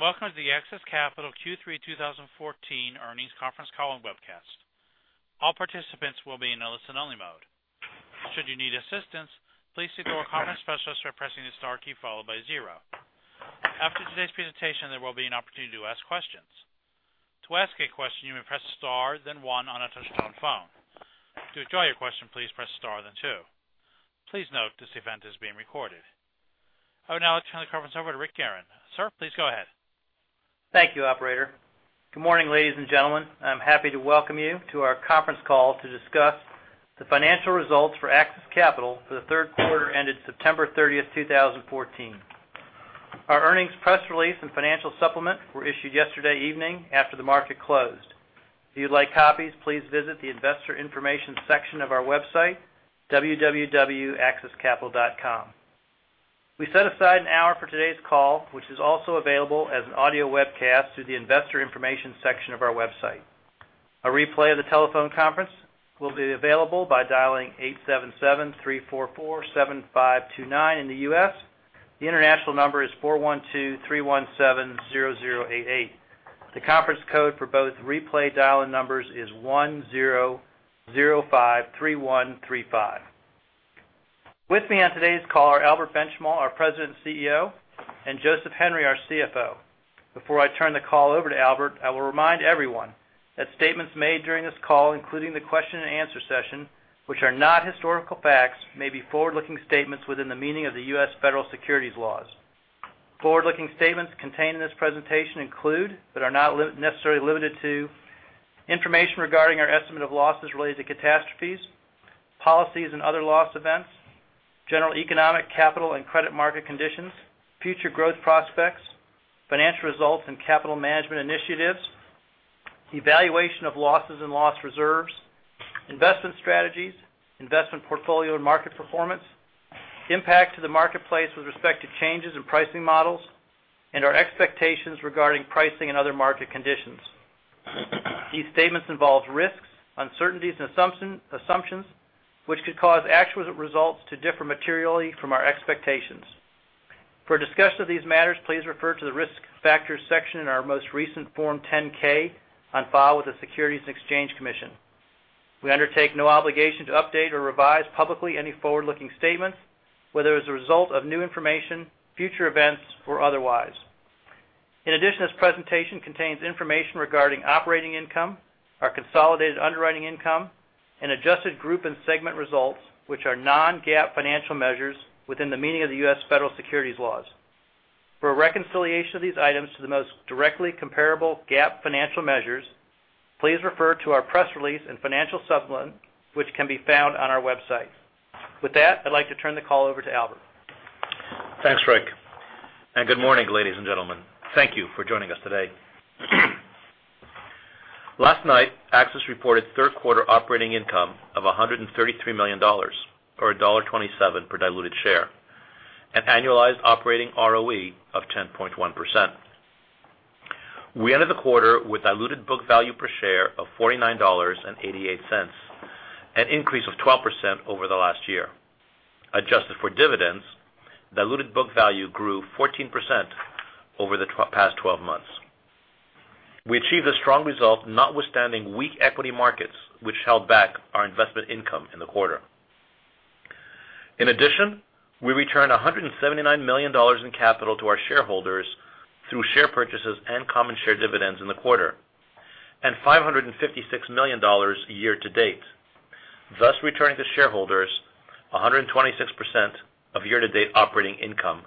Hello, welcome to the AXIS Capital Q3 2014 Earnings Conference Call and Webcast. All participants will be in listen-only mode. Should you need assistance, please signal a conference specialist by pressing the star key followed by zero. After today's presentation, there will be an opportunity to ask questions. To ask a question, you may press star then one on a touch-tone phone. To withdraw your question, please press star then two. Please note this event is being recorded. I would now like to turn the conference over to Rick Haran. Sir, please go ahead. Thank you, operator. Good morning, ladies and gentlemen. I'm happy to welcome you to our conference call to discuss the financial results for AXIS Capital for the third quarter ended September 30th, 2014. Our earnings press release and financial supplement were issued yesterday evening after the market closed. If you'd like copies, please visit the investor information section of our website, www.axiscapital.com. We set aside an hour for today's call, which is also available as an audio webcast through the investor information section of our website. A replay of the telephone conference will be available by dialing 877-344-7529 in the U.S. The international number is 412-317-0088. The conference code for both replay dial-in numbers is 10053135. With me on today's call are Albert Benchimol, our President and CEO, and Joseph Henry, our CFO. Before I turn the call over to Albert, I will remind everyone that statements made during this call, including the question and answer session, which are not historical facts, may be forward-looking statements within the meaning of the U.S. Federal Securities Laws. Forward-looking statements contained in this presentation include, but are not necessarily limited to, information regarding our estimate of losses related to catastrophes, policies and other loss events, general economic, capital, and credit market conditions, future growth prospects, financial results and capital management initiatives, the evaluation of losses and loss reserves, investment strategies, investment portfolio and market performance, impact to the marketplace with respect to changes in pricing models, and our expectations regarding pricing and other market conditions. These statements involve risks, uncertainties, and assumptions, which could cause actual results to differ materially from our expectations. For a discussion of these matters, please refer to the Risk Factors section in our most recent Form 10-K on file with the Securities and Exchange Commission. We undertake no obligation to update or revise publicly any forward-looking statements, whether as a result of new information, future events, or otherwise. In addition, this presentation contains information regarding operating income, our consolidated underwriting income, and adjusted group and segment results, which are non-GAAP financial measures within the meaning of the U.S. Federal Securities Laws. For a reconciliation of these items to the most directly comparable GAAP financial measures, please refer to our press release and financial supplement, which can be found on our website. With that, I'd like to turn the call over to Albert. Thanks, Rick, good morning, ladies and gentlemen. Thank you for joining us today. Last night, AXIS reported third quarter operating income of $133 million, or $1.27 per diluted share, an annualized operating ROE of 10.1%. We ended the quarter with diluted book value per share of $49.88, an increase of 12% over the last year. Adjusted for dividends, diluted book value grew 14% over the past 12 months. We achieved a strong result notwithstanding weak equity markets, which held back our investment income in the quarter. In addition, we returned $179 million in capital to our shareholders through share purchases and common share dividends in the quarter, and $556 million year-to-date, thus returning to shareholders 126% of year-to-date operating income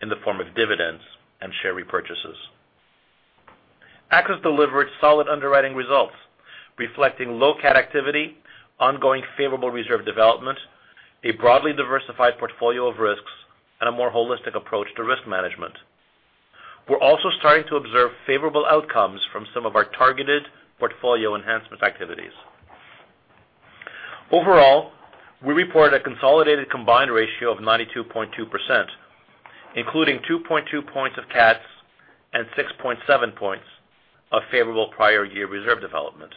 in the form of dividends and share repurchases. AXIS delivered solid underwriting results reflecting low cat activity, ongoing favorable reserve development, a broadly diversified portfolio of risks, and a more holistic approach to risk management. We're also starting to observe favorable outcomes from some of our targeted portfolio enhancement activities. Overall, we report a consolidated combined ratio of 92.2%, including 2.2 points of cats and 6.7 points of favorable prior year reserve development.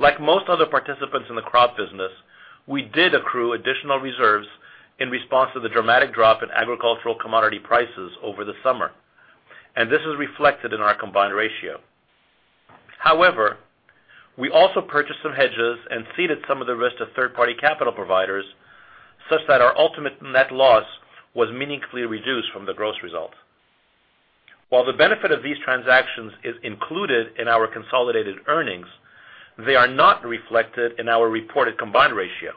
Like most other participants in the crop business, we did accrue additional reserves in response to the dramatic drop in agricultural commodity prices over the summer, this is reflected in our combined ratio. However, we also purchased some hedges and ceded some of the risk to third-party capital providers such that our ultimate net loss was meaningfully reduced from the gross result. While the benefit of these transactions is included in our consolidated earnings, they are not reflected in our reported combined ratio.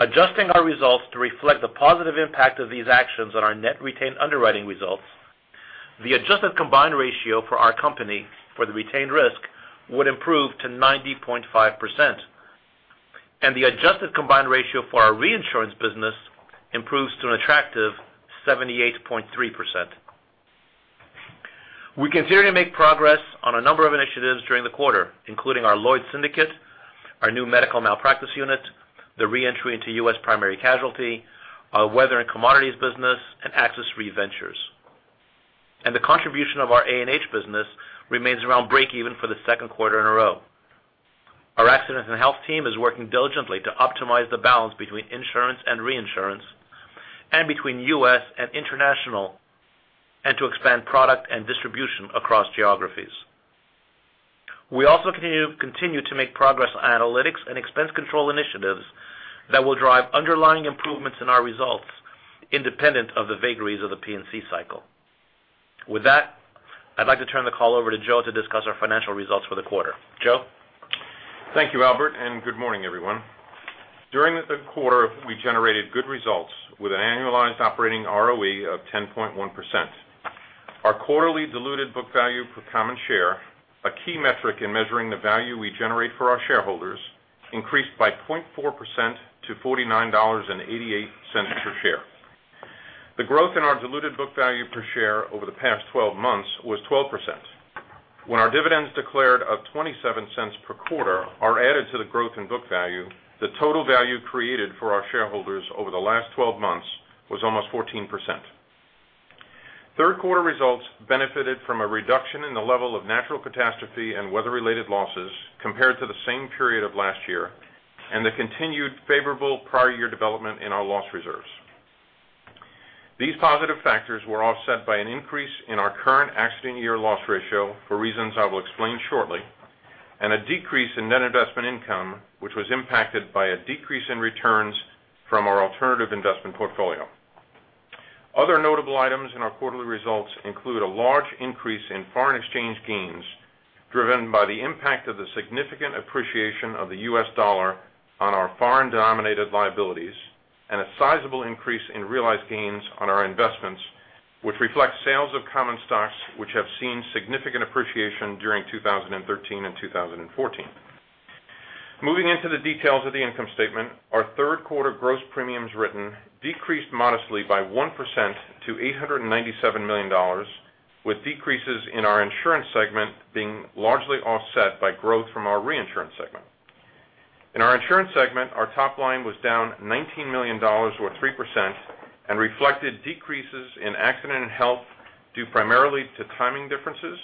Adjusting our results to reflect the positive impact of these actions on our net retained underwriting results, the adjusted combined ratio for our company for the retained risk would improve to 90.5%, the adjusted combined ratio for our reinsurance business improves to an attractive 78.3%. We continued to make progress on a number of initiatives during the quarter, including our Lloyd's Syndicate, our new medical malpractice unit, the re-entry into U.S. Primary Casualty, our weather and commodities business, AXIS Re Ventures. The contribution of our A&H business remains around breakeven for the second quarter in a row. Our accident and health team is working diligently to optimize the balance between insurance and reinsurance, between U.S. and international, to expand product and distribution across geographies. We also continue to make progress on analytics and expense control initiatives that will drive underlying improvements in our results independent of the vagaries of the P&C cycle. With that, I'd like to turn the call over to Joe to discuss our financial results for the quarter. Joe? Thank you, Albert, and good morning, everyone. During the third quarter, we generated good results with an annualized operating ROE of 10.1%. Our quarterly diluted book value per common share, a key metric in measuring the value we generate for our shareholders, increased by 0.4% to $49.88 per share. The growth in our diluted book value per share over the past 12 months was 12%. When our dividends declared of $0.27 per quarter are added to the growth in book value, the total value created for our shareholders over the last 12 months was almost 14%. Third quarter results benefited from a reduction in the level of natural catastrophe and weather-related losses compared to the same period of last year, and the continued favorable prior year development in our loss reserves. These positive factors were offset by an increase in our current accident year loss ratio, for reasons I will explain shortly, and a decrease in net investment income, which was impacted by a decrease in returns from our alternative investment portfolio. Other notable items in our quarterly results include a large increase in foreign exchange gains, driven by the impact of the significant appreciation of the US dollar on our foreign-denominated liabilities, and a sizable increase in realized gains on our investments, which reflect sales of common stocks which have seen significant appreciation during 2013 and 2014. Moving into the details of the income statement, our third quarter gross premiums written decreased modestly by 1% to $897 million, with decreases in our insurance segment being largely offset by growth from our reinsurance segment. In our insurance segment, our top line was down $19 million or 3% and reflected decreases in accident and health due primarily to timing differences,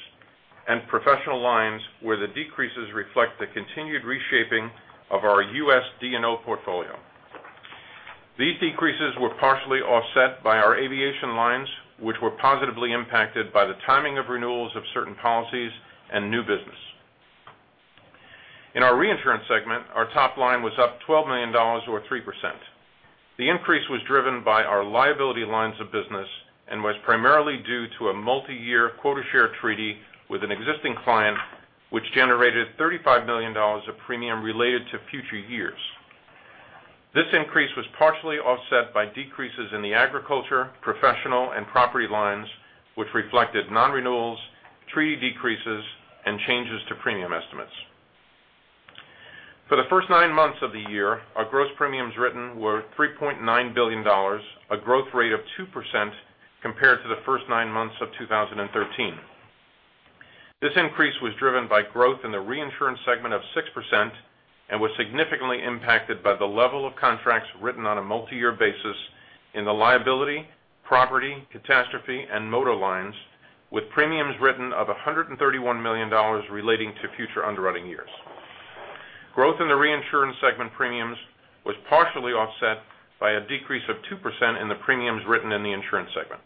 and professional lines where the decreases reflect the continued reshaping of our US D&O portfolio. These decreases were partially offset by our aviation lines, which were positively impacted by the timing of renewals of certain policies and new business. In our reinsurance segment, our top line was up $12 million or 3%. The increase was driven by our liability lines of business and was primarily due to a multi-year quota share treaty with an existing client, which generated $35 million of premium related to future years. This increase was partially offset by decreases in the agriculture, professional, and property lines, which reflected non-renewals, treaty decreases, and changes to premium estimates. For the first nine months of the year, our gross premiums written were $3.9 billion, a growth rate of 2% compared to the first nine months of 2013. This increase was driven by growth in the reinsurance segment of 6% and was significantly impacted by the level of contracts written on a multi-year basis in the liability, property, catastrophe, and motor lines, with premiums written of $131 million relating to future underwriting years. Growth in the reinsurance segment premiums was partially offset by a decrease of 2% in the premiums written in the insurance segment.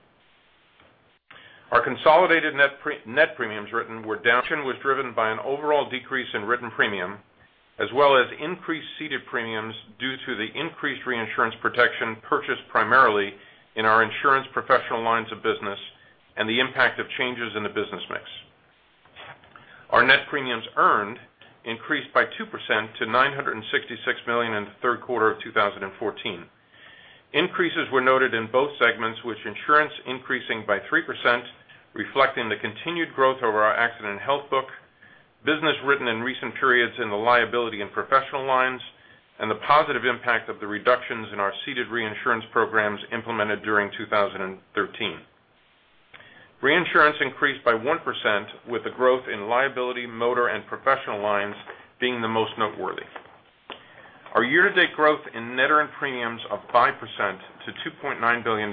Our consolidated net premiums written were down. This reduction was driven by an overall decrease in written premium as well as increased ceded premiums due to the increased reinsurance protection purchased primarily in our insurance professional lines of business and the impact of changes in the business mix. Our net premiums earned increased by 2% to $966 million in the third quarter of 2014. Increases were noted in both segments, with insurance increasing by 3%, reflecting the continued growth over our A&H book, business written in recent periods in the liability and professional lines, and the positive impact of the reductions in our ceded reinsurance programs implemented during 2013. Reinsurance increased by 1% with the growth in liability, motor, and professional lines being the most noteworthy. Our year-to-date growth in net earned premiums of 5% to $2.9 billion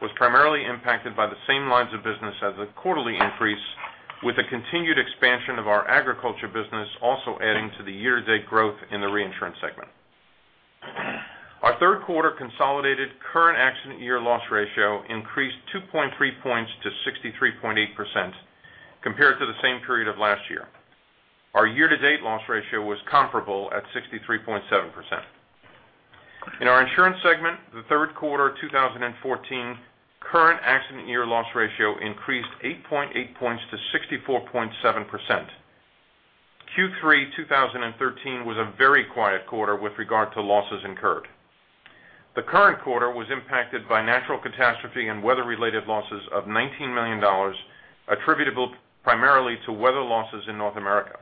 was primarily impacted by the same lines of business as the quarterly increase, with the continued expansion of our agriculture business also adding to the year-to-date growth in the reinsurance segment. Our third quarter consolidated current accident year loss ratio increased 2.3 points to 63.8% compared to the same period of last year. Our year-to-date loss ratio was comparable at 63.7%. In our insurance segment, the third quarter 2014 current accident year loss ratio increased 8.8 points to 64.7%. Q3 2013 was a very quiet quarter with regard to losses incurred. The current quarter was impacted by natural catastrophe and weather-related losses of $19 million attributable primarily to weather losses in North America.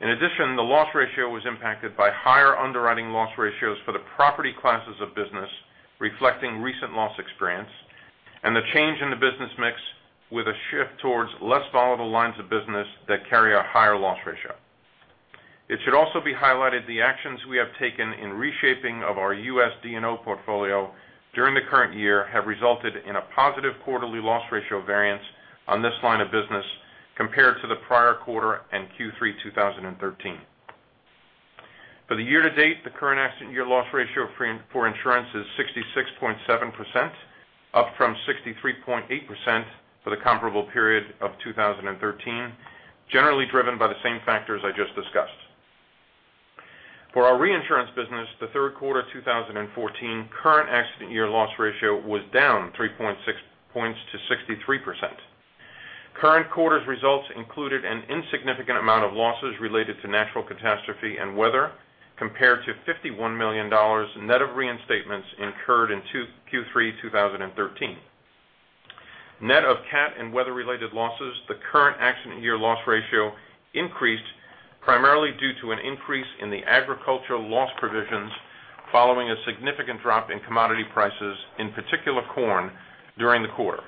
In addition, the loss ratio was impacted by higher underwriting loss ratios for the property classes of business, reflecting recent loss experience and the change in the business mix with a shift towards less volatile lines of business that carry a higher loss ratio. It should also be highlighted the actions we have taken in reshaping of our U.S. D&O portfolio during the current year have resulted in a positive quarterly loss ratio variance on this line of business compared to the prior quarter and Q3 2013. For the year-to-date, the current accident year loss ratio for insurance is 66.7%, up from 63.8% for the comparable period of 2013, generally driven by the same factors I just discussed. For our reinsurance business, the third quarter 2014 current accident year loss ratio was down 3.6 points to 63%. Current quarter's results included an insignificant amount of losses related to natural catastrophe and weather, compared to $51 million net of reinstatements incurred in Q3 2013. Net of cat and weather related losses, the current accident year loss ratio increased primarily due to an increase in the agricultural loss provisions following a significant drop in commodity prices, in particular corn, during the quarter.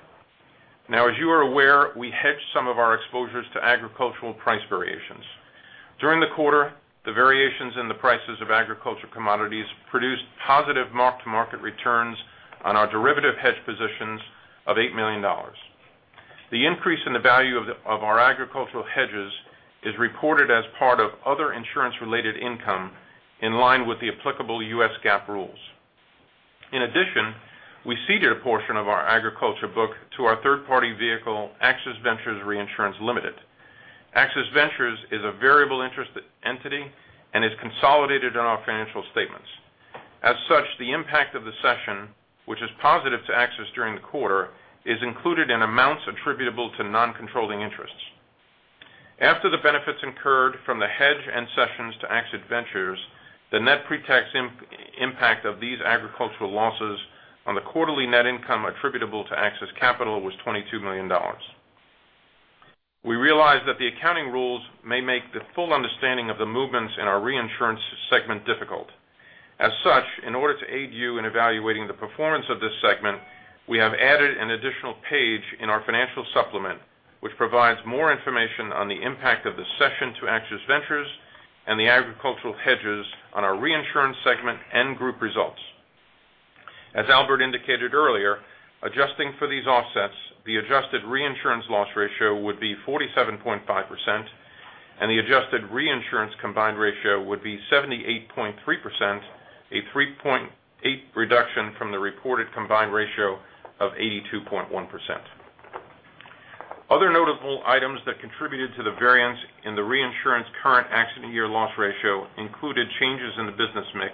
As you are aware, we hedge some of our exposures to agricultural price variations. During the quarter, the variations in the prices of agricultural commodities produced positive mark-to-market returns on our derivative hedge positions of $8 million. The increase in the value of our agricultural hedges is reported as part of other insurance related income in line with the applicable U.S. GAAP rules. In addition, we ceded a portion of our agriculture book to our third party vehicle, AXIS Ventures Reinsurance Limited. AXIS Ventures is a variable interest entity and is consolidated on our financial statements. As such, the impact of the cession, which is positive to AXIS during the quarter, is included in amounts attributable to non-controlling interests. After the benefits incurred from the hedge and cessions to AXIS Ventures, the net pre-tax impact of these agricultural losses on the quarterly net income attributable to AXIS Capital was $22 million. We realize that the accounting rules may make the full understanding of the movements in our reinsurance segment difficult. As such, in order to aid you in evaluating the performance of this segment, we have added an additional page in our financial supplement, which provides more information on the impact of the sessions to AXIS Ventures and the agricultural hedges on our reinsurance segment and group results. As Albert indicated earlier, adjusting for these offsets, the adjusted reinsurance loss ratio would be 47.5% and the adjusted reinsurance combined ratio would be 78.3%, a 3.8 reduction from the reported combined ratio of 82.1%. Other notable items that contributed to the variance in the reinsurance current accident year loss ratio included changes in the business mix,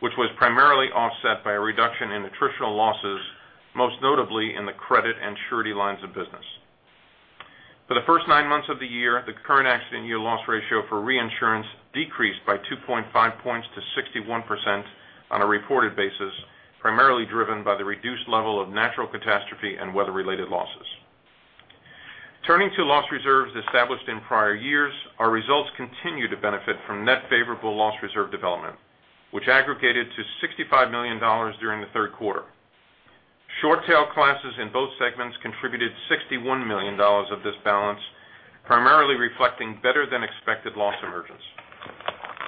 which was primarily offset by a reduction in attritional losses, most notably in the credit and surety lines of business. For the first nine months of the year, the current accident year loss ratio for reinsurance decreased by 2.5 points to 61% on a reported basis, primarily driven by the reduced level of natural catastrophe and weather related losses. Turning to loss reserves established in prior years, our results continue to benefit from net favorable loss reserve development, which aggregated to $65 million during the third quarter. Short tail classes in both segments contributed $61 million of this balance, primarily reflecting better than expected loss emergence.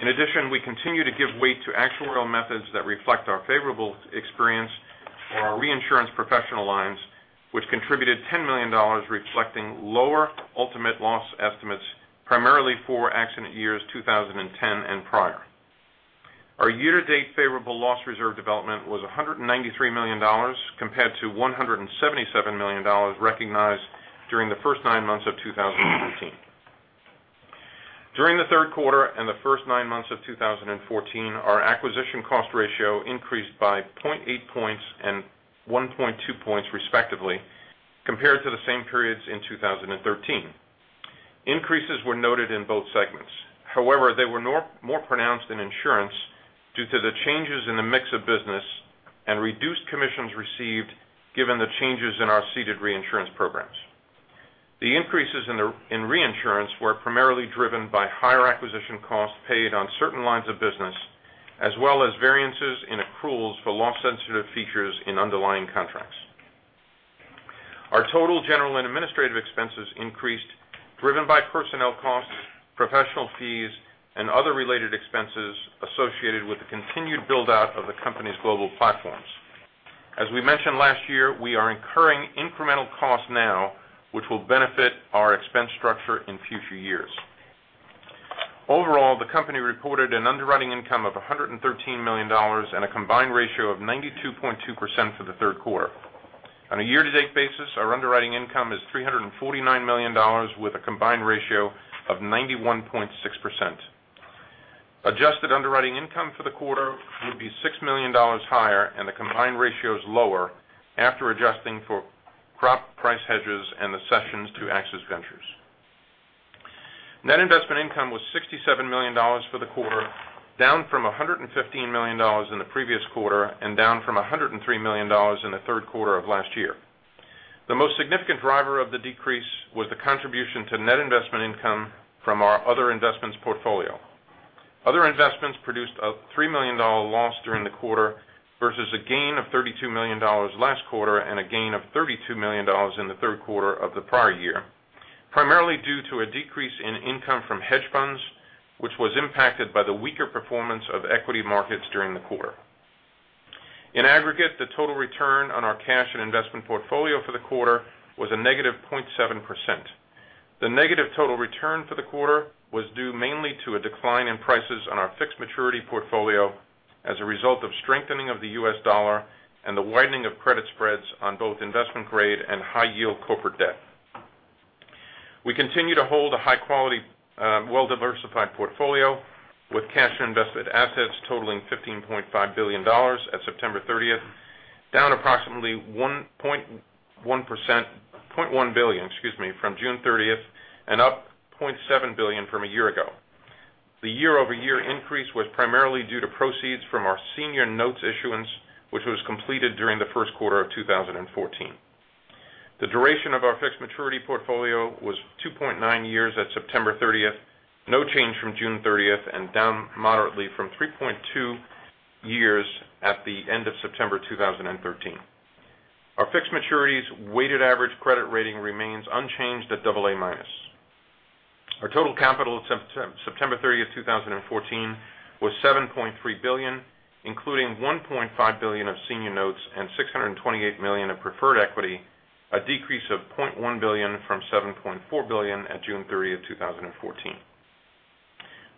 In addition, we continue to give weight to actuarial methods that reflect our favorable experience for our reinsurance professional lines, which contributed $10 million reflecting lower ultimate loss estimates primarily for accident years 2010 and prior. Our year-to-date favorable loss reserve development was $193 million compared to $177 million recognized during the first nine months of 2013. During the third quarter and the first nine months of 2014, our acquisition cost ratio increased by 0.8 points and 1.2 points respectively, compared to the same periods in 2013. Increases were noted in both segments. However, they were more pronounced in insurance due to the changes in the mix of business and reduced commissions received given the changes in our ceded reinsurance programs. The increases in reinsurance were primarily driven by higher acquisition costs paid on certain lines of business as well as variances in accruals for loss sensitive features in underlying contracts. Our total general and administrative expenses increased driven by personnel costs, professional fees, and other related expenses associated with the continued buildout of the company's global platforms. As we mentioned last year, we are incurring incremental costs now which will benefit our expense structure in future years. Overall, the company reported an underwriting income of $113 million and a combined ratio of 92.2% for the third quarter. On a year-to-date basis, our underwriting income is $349 million with a combined ratio of 91.6%. Adjusted underwriting income for the quarter would be $6 million higher and the combined ratio is lower after adjusting for crop price hedges and the sessions to AXIS Ventures. Net investment income was $67 million for the quarter, down from $115 million in the previous quarter and down from $103 million in the third quarter of last year. The most significant driver of the decrease was the contribution to net investment income from our other investments portfolio. Other investments produced a $3 million loss during the quarter versus a gain of $32 million last quarter and a gain of $32 million in the third quarter of the prior year. Primarily due to a decrease in income from hedge funds, which was impacted by the weaker performance of equity markets during the quarter. In aggregate, the total return on our cash and investment portfolio for the quarter was a negative 0.7%. The negative total return for the quarter was due mainly to a decline in prices on our fixed maturity portfolio as a result of strengthening of the U.S. dollar and the widening of credit spreads on both investment grade and high yield corporate debt. We continue to hold a high quality, well-diversified portfolio with cash and invested assets totaling $15.5 billion at September 30th, down approximately $1.1 billion from June 30th and up $0.7 billion from a year ago. The year-over-year increase was primarily due to proceeds from our senior notes issuance, which was completed during the first quarter of 2014. The duration of our fixed maturity portfolio was 2.9 years at September 30th, no change from June 30th, and down moderately from 3.2 years at the end of September 2013. Our fixed maturities weighted average credit rating remains unchanged at double A minus. Our total capital at September 30th, 2014, was $7.3 billion, including $1.5 billion of senior notes and $628 million of preferred equity, a decrease of $0.1 billion from $7.4 billion at June 30th, 2014.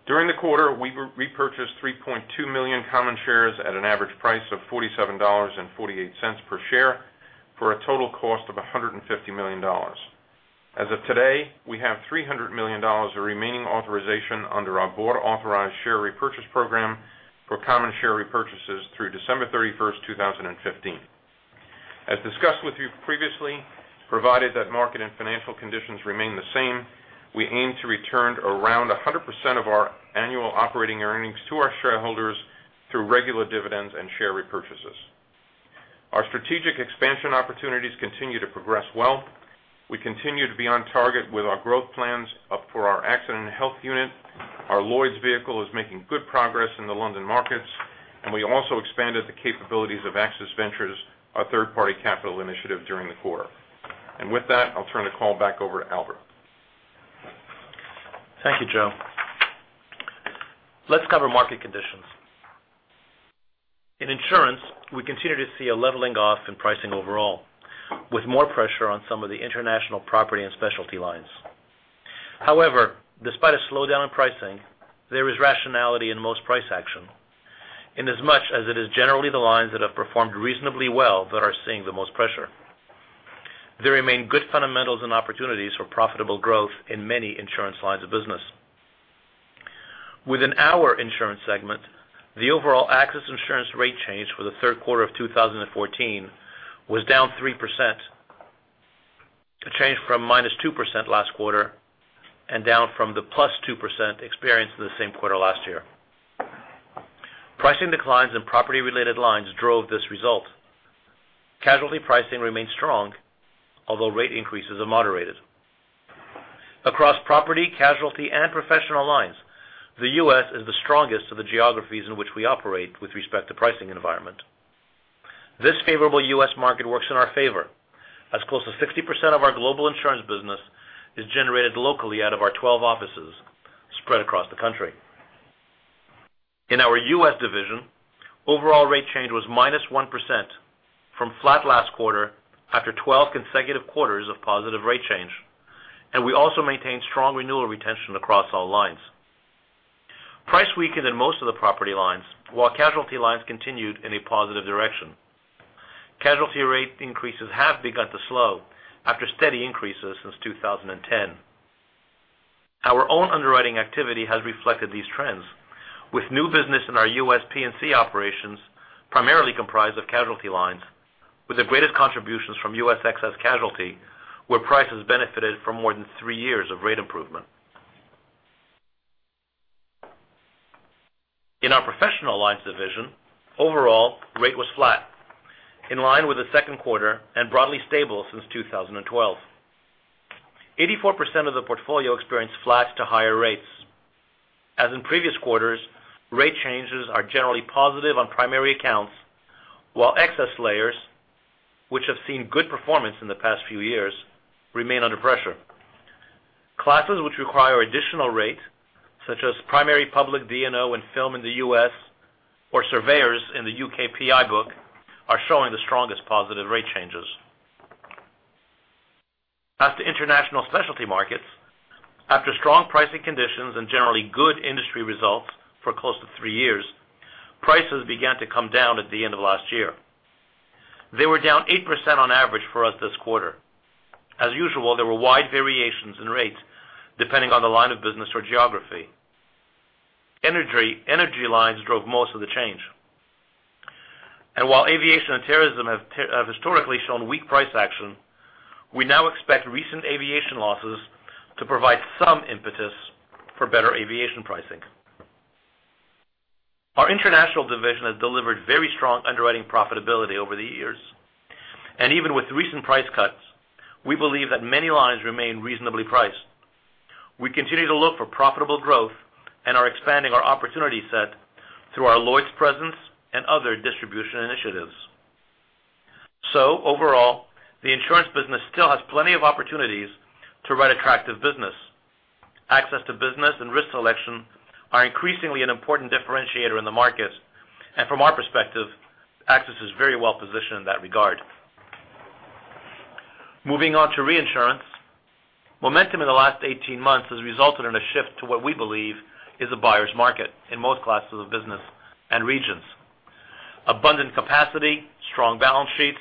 During the quarter, we repurchased 3.2 million common shares at an average price of $47.48 per share for a total cost of $150 million. As of today, we have $300 million of remaining authorization under our board authorized share repurchase program for common share repurchases through December 31st, 2015. As discussed with you previously, provided that market and financial conditions remain the same, we aim to return around 100% of our annual operating earnings to our shareholders through regular dividends and share repurchases. Our strategic expansion opportunities continue to progress well. We continue to be on target with our growth plans for our accident health unit. Our Lloyd's vehicle is making good progress in the London markets, and we also expanded the capabilities of AXIS Ventures, our third-party capital initiative during the quarter. With that, I'll turn the call back over to Albert. Thank you, Joseph. Let's cover market conditions. In insurance, we continue to see a leveling off in pricing overall, with more pressure on some of the international property and specialty lines. However, despite a slowdown in pricing, there is rationality in most price action. In as much as it is generally the lines that have performed reasonably well that are seeing the most pressure. There remain good fundamentals and opportunities for profitable growth in many insurance lines of business. Within our insurance segment, the overall AXIS Insurance rate change for the third quarter of 2014 was down 3%, a change from -2% last quarter, and down from the +2% experienced in the same quarter last year. Pricing declines in property-related lines drove this result. Casualty pricing remains strong, although rate increases are moderated. Across property, casualty, and professional lines, the U.S. is the strongest of the geographies in which we operate with respect to pricing environment. This favorable U.S. market works in our favor as close to 60% of our global insurance business is generated locally out of our 12 offices spread across the country. In our U.S. division, overall rate change was minus 1% from flat last quarter after 12 consecutive quarters of positive rate change, and we also maintained strong renewal retention across all lines. Price weakened in most of the property lines, while casualty lines continued in a positive direction. Casualty rate increases have begun to slow after steady increases since 2010. Our own underwriting activity has reflected these trends with new business in our U.S. P&C operations, primarily comprised of casualty lines with the greatest contributions from U.S. excess casualty, where prices benefited from more than three years of rate improvement. In our professional lines division, overall rate was flat, in line with the second quarter, and broadly stable since 2012. 84% of the portfolio experienced flats to higher rates. As in previous quarters, rate changes are generally positive on primary accounts, while excess layers, which have seen good performance in the past few years, remain under pressure. Classes which require additional rate, such as primary public D&O and film in the U.S. or surveyors in the U.K. PI book, are showing the strongest positive rate changes. As to international specialty markets, after strong pricing conditions and generally good industry results for close to three years, prices began to come down at the end of last year. They were down 8% on average for us this quarter. As usual, there were wide variations in rates depending on the line of business or geography. Energy lines drove most of the change. While aviation and terrorism have historically shown weak price action, we now expect recent aviation losses to provide some impetus for better aviation pricing. Our international division has delivered very strong underwriting profitability over the years. Even with recent price cuts, we believe that many lines remain reasonably priced. We continue to look for profitable growth and are expanding our opportunity set through our Lloyd's presence and other distribution initiatives. Overall, the insurance business still has plenty of opportunities to write attractive business. Access to business and risk selection are increasingly an important differentiator in the market. From our perspective, AXIS is very well positioned in that regard. Moving on to reinsurance. Momentum in the last 18 months has resulted in a shift to what we believe is a buyer's market in most classes of business and regions. Abundant capacity, strong balance sheets,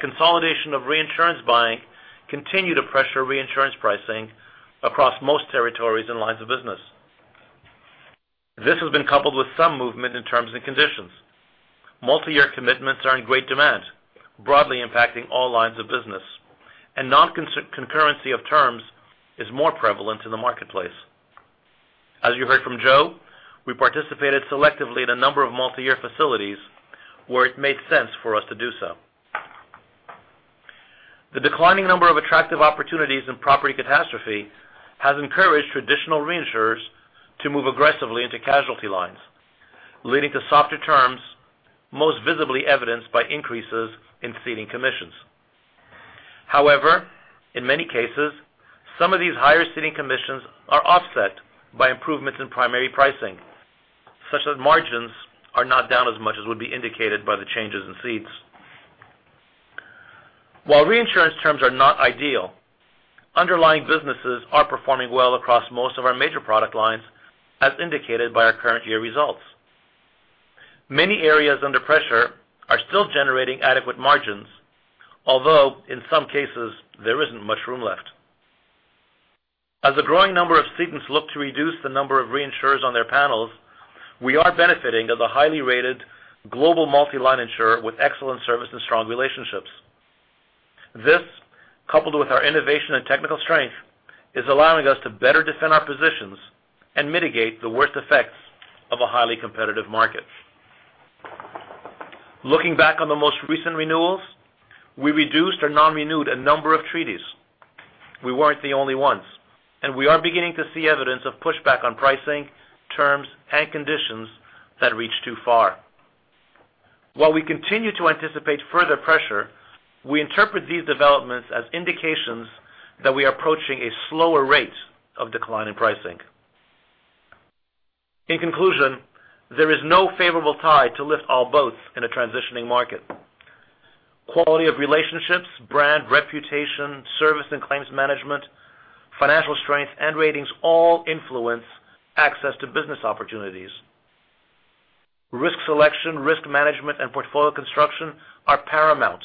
consolidation of reinsurance buying continue to pressure reinsurance pricing across most territories and lines of business. This has been coupled with some movement in terms and conditions. Multi-year commitments are in great demand, broadly impacting all lines of business. Non-concurrency of terms is more prevalent in the marketplace. As you heard from Joe, we participated selectively in a number of multi-year facilities where it made sense for us to do so. The declining number of attractive opportunities in property catastrophe has encouraged traditional reinsurers to move aggressively into casualty lines, leading to softer terms, most visibly evidenced by increases in ceding commissions. However, in many cases, some of these higher ceding commissions are offset by improvements in primary pricing, such that margins are not down as much as would be indicated by the changes in cedes. While reinsurance terms are not ideal, underlying businesses are performing well across most of our major product lines, as indicated by our current year results. Many areas under pressure are still generating adequate margins, although in some cases, there isn't much room left. As a growing number of cedents look to reduce the number of reinsurers on their panels, we are benefiting as a highly rated global multi-line insurer with excellent service and strong relationships. This, coupled with our innovation and technical strength, is allowing us to better defend our positions and mitigate the worst effects of a highly competitive market. Looking back on the most recent renewals, we reduced or non-renewed a number of treaties. We weren't the only ones. We are beginning to see evidence of pushback on pricing, terms, and conditions that reach too far. While we continue to anticipate further pressure, we interpret these developments as indications that we are approaching a slower rate of decline in pricing. In conclusion, there is no favorable tide to lift all boats in a transitioning market. Quality of relationships, brand reputation, service and claims management, financial strength, and ratings all influence access to business opportunities. Risk selection, risk management, and portfolio construction are paramount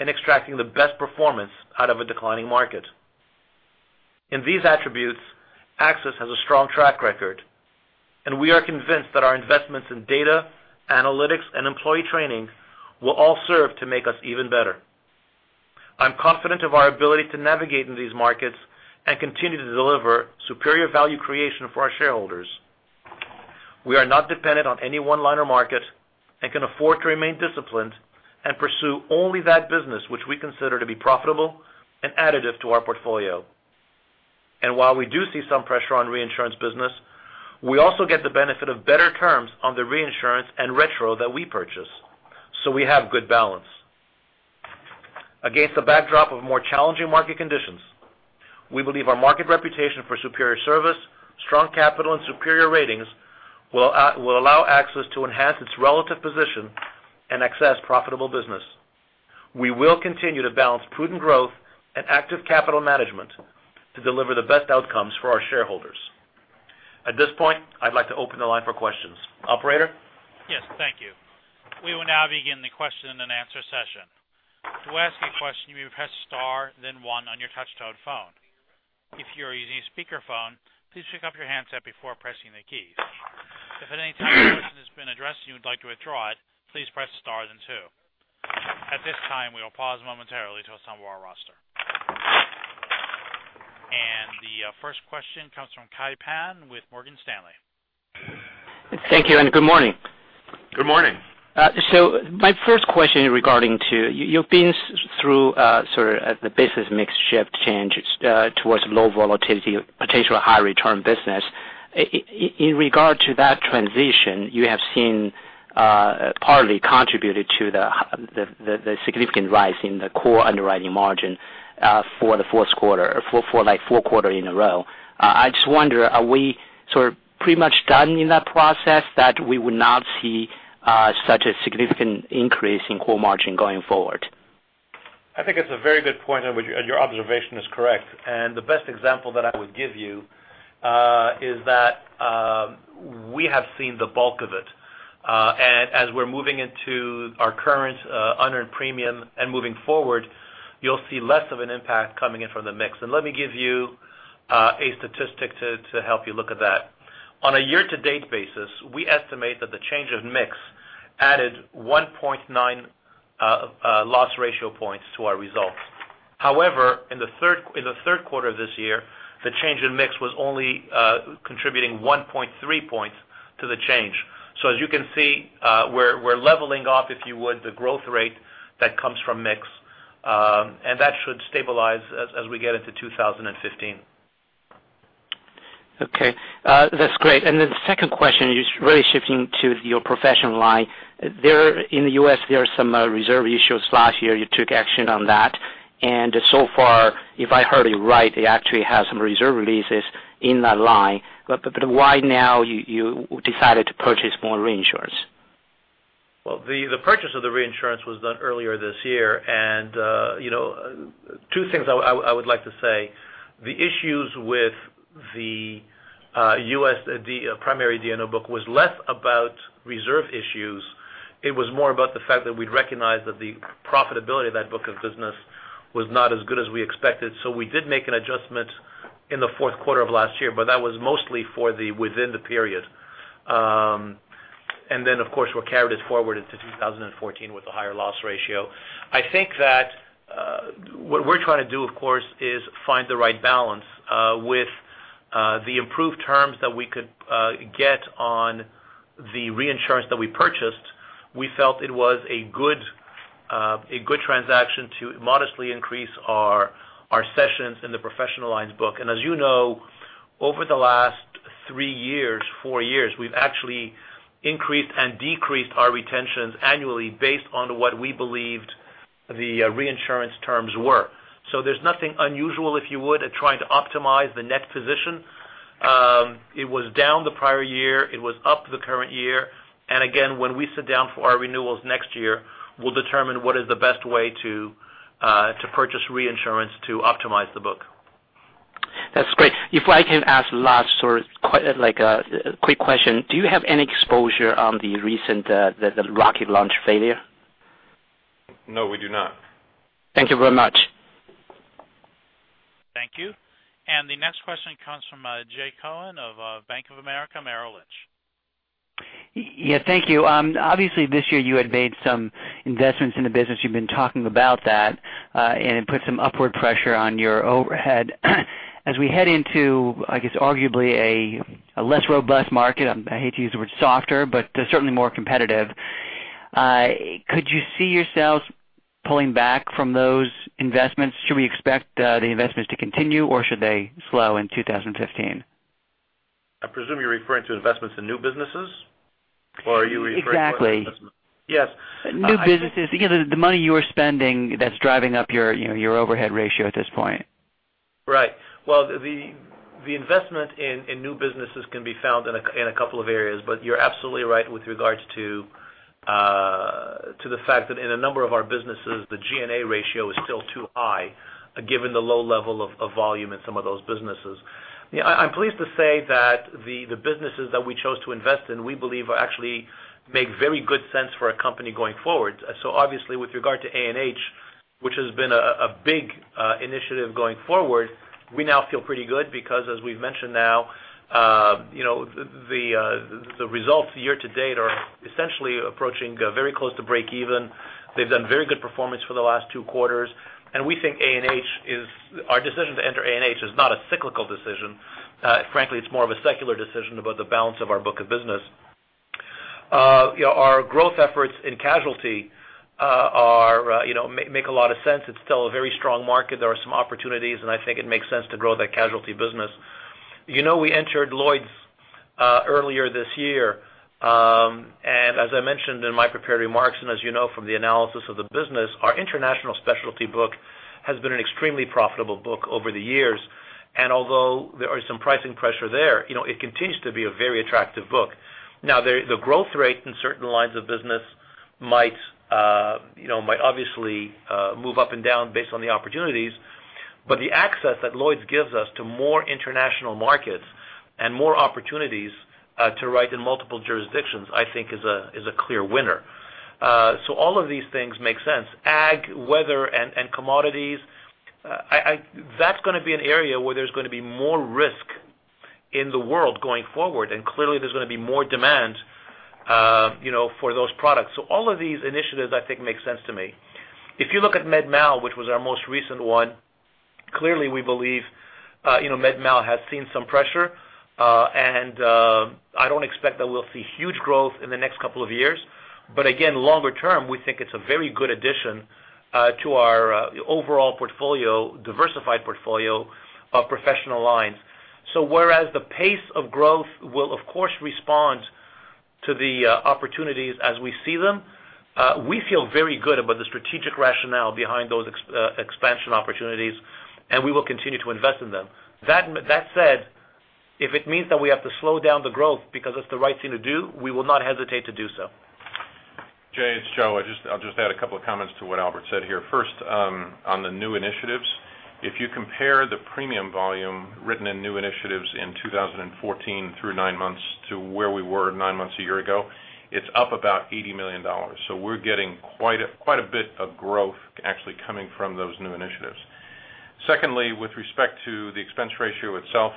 in extracting the best performance out of a declining market. In these attributes, AXIS has a strong track record. We are convinced that our investments in data, analytics, and employee training will all serve to make us even better. I'm confident of our ability to navigate in these markets and continue to deliver superior value creation for our shareholders. We are not dependent on any one line or market and can afford to remain disciplined and pursue only that business which we consider to be profitable and additive to our portfolio. While we do see some pressure on reinsurance business, we also get the benefit of better terms on the reinsurance and retro that we purchase. We have good balance. Against the backdrop of more challenging market conditions, we believe our market reputation for superior service, strong capital, and superior ratings will allow AXIS to enhance its relative position and access profitable business. We will continue to balance prudent growth and active capital management to deliver the best outcomes for our shareholders. At this point, I'd like to open the line for questions. Operator? Yes. Thank you. We will now begin the question and answer session. To ask a question, you may press star then one on your touch-tone phone. If you're using a speakerphone, please pick up your handset before pressing the keys. If at any time your question has been addressed and you would like to withdraw it, please press star then two. At this time, we will pause momentarily assemble the roster. The first question comes from Kai Pan with Morgan Stanley. Thank you. Good morning. Good morning. My first question regarding to you've been through sort of the business mix shift changes towards low volatility or potential high return business. In regard to that transition, you have seen partly contributed to the significant rise in the core underwriting margin for the four quarters in a row. I just wonder, are we sort of pretty much done in that process that we would not see such a significant increase in core margin going forward? I think it's a very good point, your observation is correct. The best example that I would give you, is that we have seen the bulk of it. As we're moving into our current unearned premium and moving forward, you'll see less of an impact coming in from the mix. Let me give you a statistic to help you look at that. On a year-to-date basis, we estimate that the change in mix added 1.9 loss ratio points to our results. However, in the third quarter of this year, the change in mix was only contributing 1.3 points to the change. As you can see, we're leveling off, if you would, the growth rate that comes from mix, and that should stabilize as we get into 2015. Okay. That's great. The second question is really shifting to your professional line. There in the U.S., there are some reserve issues last year, you took action on that. So far, if I heard you right, they actually have some reserve releases in that line. Why now you decided to purchase more reinsurance? Well, the purchase of the reinsurance was done earlier this year. Two things I would like to say. The issues with the U.S. primary D&O book was less about reserve issues. It was more about the fact that we'd recognized that the profitability of that book of business was not as good as we expected. We did make an adjustment in the fourth quarter of last year, that was mostly for within the period. Then, of course, were carried it forward into 2014 with a higher loss ratio. I think that what we're trying to do, of course, is find the right balance with the improved terms that we could get on the reinsurance that we purchased. We felt it was a good transaction to modestly increase our cessions in the professional lines book. As you know, over the last three years, four years, we've actually increased and decreased our retentions annually based on what we believed the reinsurance terms were. There's nothing unusual, if you would, at trying to optimize the net position. It was down the prior year. It was up the current year. Again, when we sit down for our renewals next year, we'll determine what is the best way to purchase reinsurance to optimize the book. That's great. If I can ask last sort like a quick question. Do you have any exposure on the recent, the rocket launch failure? No, we do not. Thank you very much. Thank you. The next question comes from Jay Cohen of Bank of America Merrill Lynch. Yeah, thank you. Obviously, this year you had made some investments in the business. You've been talking about that, and it put some upward pressure on your overhead. As we head into, I guess, arguably a less robust market, I hate to use the word softer, but certainly more competitive. Could you see yourselves pulling back from those investments? Should we expect the investments to continue, or should they slow in 2015? I presume you're referring to investments in new businesses? Or are you referring to Exactly. Yes. New businesses, the money you are spending that's driving up your overhead ratio at this point. Right. Well, the investment in new businesses can be found in a couple of areas, but you're absolutely right with regards to the fact that in a number of our businesses, the G&A ratio is still too high, given the low level of volume in some of those businesses. I'm pleased to say that the businesses that we chose to invest in, we believe are actually make very good sense for a company going forward. Obviously with regard to A&H, which has been a big initiative going forward, we now feel pretty good because as we've mentioned now, the results year to date are essentially approaching very close to breakeven. They've done very good performance for the last two quarters, and we think our decision to enter A&H is not a cyclical decision. Frankly, it's more of a secular decision about the balance of our book of business. Our growth efforts in casualty make a lot of sense. It's still a very strong market. There are some opportunities, I think it makes sense to grow that casualty business. We entered Lloyd's earlier this year, as I mentioned in my prepared remarks, as you know from the analysis of the business, our international specialty book has been an extremely profitable book over the years. Although there are some pricing pressure there, it continues to be a very attractive book. The growth rate in certain lines of business might obviously move up and down based on the opportunities, but the access that Lloyd's gives us to more international markets and more opportunities to write in multiple jurisdictions, I think is a clear winner. All of these things make sense. Ag, weather, and commodities, that's going to be an area where there's going to be more risk in the world going forward. Clearly there's going to be more demand for those products. All of these initiatives, I think, make sense to me. If you look at MedMal, which was our most recent one, clearly we believe MedMal has seen some pressure. I don't expect that we'll see huge growth in the next couple of years. Again, longer term, we think it's a very good addition to our overall portfolio, diversified portfolio of professional lines. Whereas the pace of growth will, of course, respond to the opportunities as we see them, we feel very good about the strategic rationale behind those expansion opportunities, and we will continue to invest in them. That said, if it means that we have to slow down the growth because it's the right thing to do, we will not hesitate to do so. Jay, it's Joe. I'll just add a couple of comments to what Albert said here. First, on the new initiatives, if you compare the premium volume written in new initiatives in 2014 through nine months to where we were nine months a year ago, it's up about $80 million. We're getting quite a bit of growth actually coming from those new initiatives. Secondly, with respect to the expense ratio itself,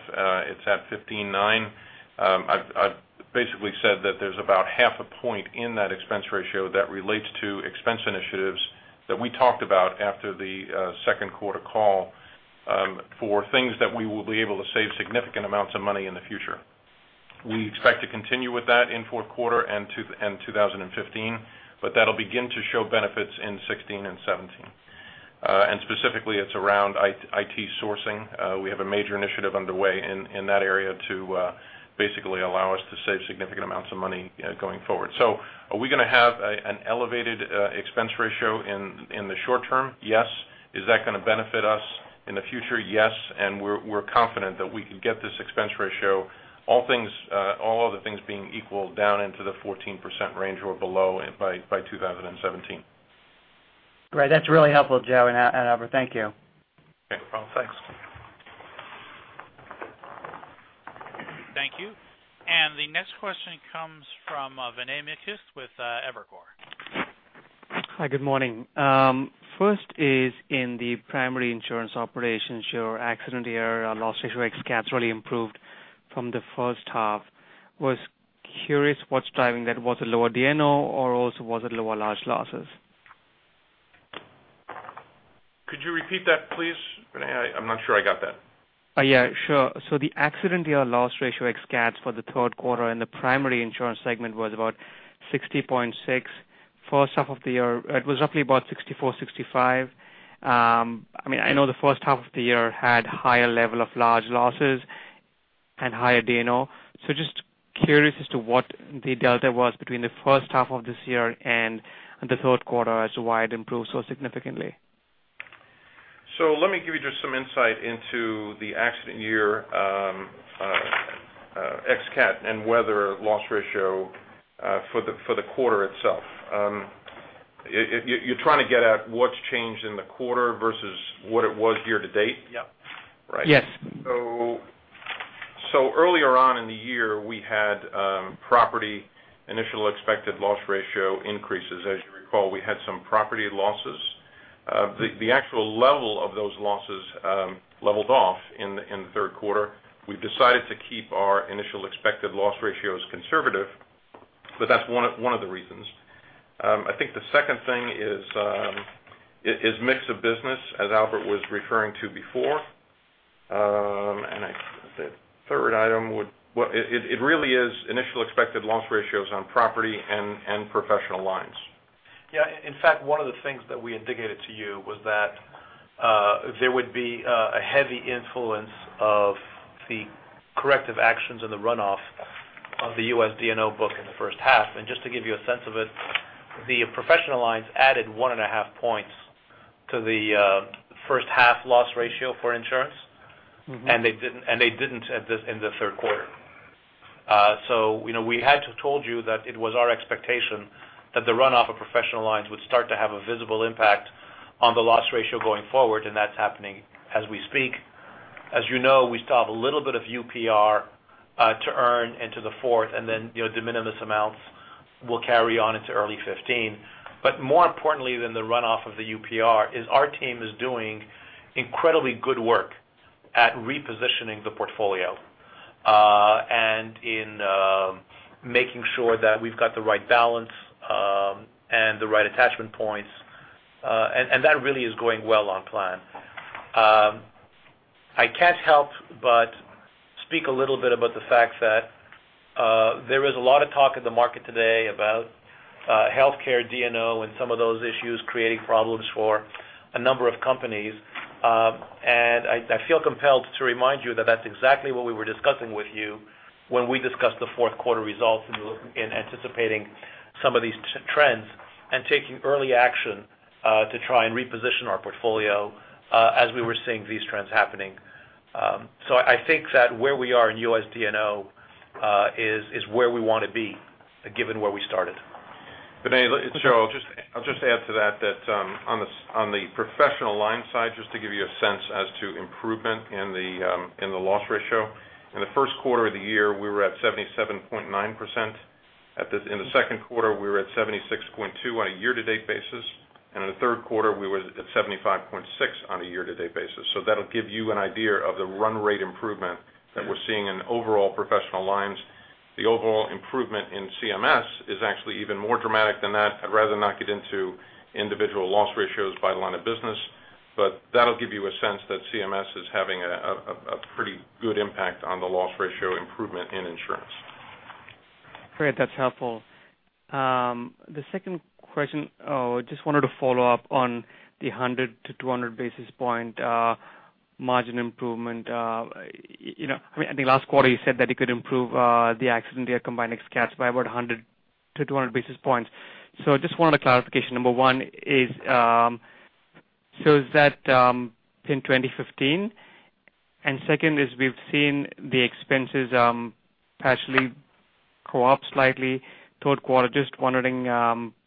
it's at 15.9. I've basically said that there's about half a point in that expense ratio that relates to expense initiatives that we talked about after the second quarter call for things that we will be able to save significant amounts of money in the future. We expect to continue with that in fourth quarter and 2015, That'll begin to show benefits in 2016 and 2017. Specifically, it's around IT sourcing. We have a major initiative underway in that area to basically allow us to save significant amounts of money going forward. Are we going to have an elevated expense ratio in the short term? Yes. Is that going to benefit us in the future? Yes. We're confident that we can get this expense ratio, all other things being equal, down into the 14% range or below by 2017. Great. That's really helpful, Joe and Albert. Thank you. Okay. No problem. Thanks. Thank you. The next question comes from Vinay Misquith with Evercore. Hi. Good morning. First is in the primary insurance operations, your accident year loss ratio ex-CATs really improved from the first half. Was curious what's driving that. Was it lower D&O, or also was it lower large losses? Could you repeat that, please, Vinay? I'm not sure I got that. Yeah. Sure. The accident year loss ratio ex-CATs for the third quarter in the primary insurance segment was about 60.6. First half of the year, it was roughly about 64, 65. I know the first half of the year had higher level of large losses and higher D&O. Just curious as to what the delta was between the first half of this year and the third quarter as to why it improved so significantly. Let me give you just some insight into the accident year ex-CAT and weather loss ratio for the quarter itself. You're trying to get at what's changed in the quarter versus what it was year to date? Yep. Yes. Earlier on in the year, we had property initial expected loss ratio increases. As you recall, we had some property losses. The actual level of those losses leveled off in the third quarter. We've decided to keep our initial expected loss ratios conservative, but that's one of the reasons. I think the second thing is mix of business, as Albert was referring to before. I think the third item it really is initial expected loss ratios on property and professional lines. Yeah. In fact, one of the things that we indicated to you was that there would be a heavy influence of the corrective actions in the runoff of the US D&O book in the first half. Just to give you a sense of it, the professional lines added one and a half points to the first half loss ratio for insurance. They didn't in the third quarter. We had told you that it was our expectation that the runoff of professional lines would start to have a visible impact on the loss ratio going forward, and that's happening as we speak. As you know, we still have a little bit of UPR to earn into the fourth, and then de minimis amounts will carry on into early 2015. More importantly than the runoff of the UPR is our team is doing incredibly good work at repositioning the portfolio, and in making sure that we've got the right balance and the right attachment points. That really is going well on plan. I can't help but speak a little bit about the fact that there is a lot of talk in the market today about healthcare D&O and some of those issues creating problems for a number of companies. I feel compelled to remind you that that's exactly what we were discussing with you when we discussed the fourth quarter results in anticipating some of these trends and taking early action to try and reposition our portfolio as we were seeing these trends happening. I think that where we are in US D&O is where we want to be, given where we started. Vinay, I'll just add to that on the professional line side, just to give you a sense as to improvement in the loss ratio. In the first quarter of the year, we were at 77.9%. In the second quarter, we were at 76.2% on a year-to-date basis, and in the third quarter, we were at 75.6% on a year-to-date basis. That'll give you an idea of the run rate improvement that we're seeing in overall professional lines. The overall improvement in CMS is actually even more dramatic than that. I'd rather not get into individual loss ratios by line of business, but that'll give you a sense that CMS is having a pretty good impact on the loss ratio improvement in insurance. Great. That's helpful. The second question, just wanted to follow up on the 100 to 200 basis point margin improvement. I think last quarter you said that it could improve the accident year combined ex-CATs by about 100 to 200 basis points. Just wanted a clarification. Number one is that in 2015? And second is we've seen the expenses actually go up slightly third quarter, just wondering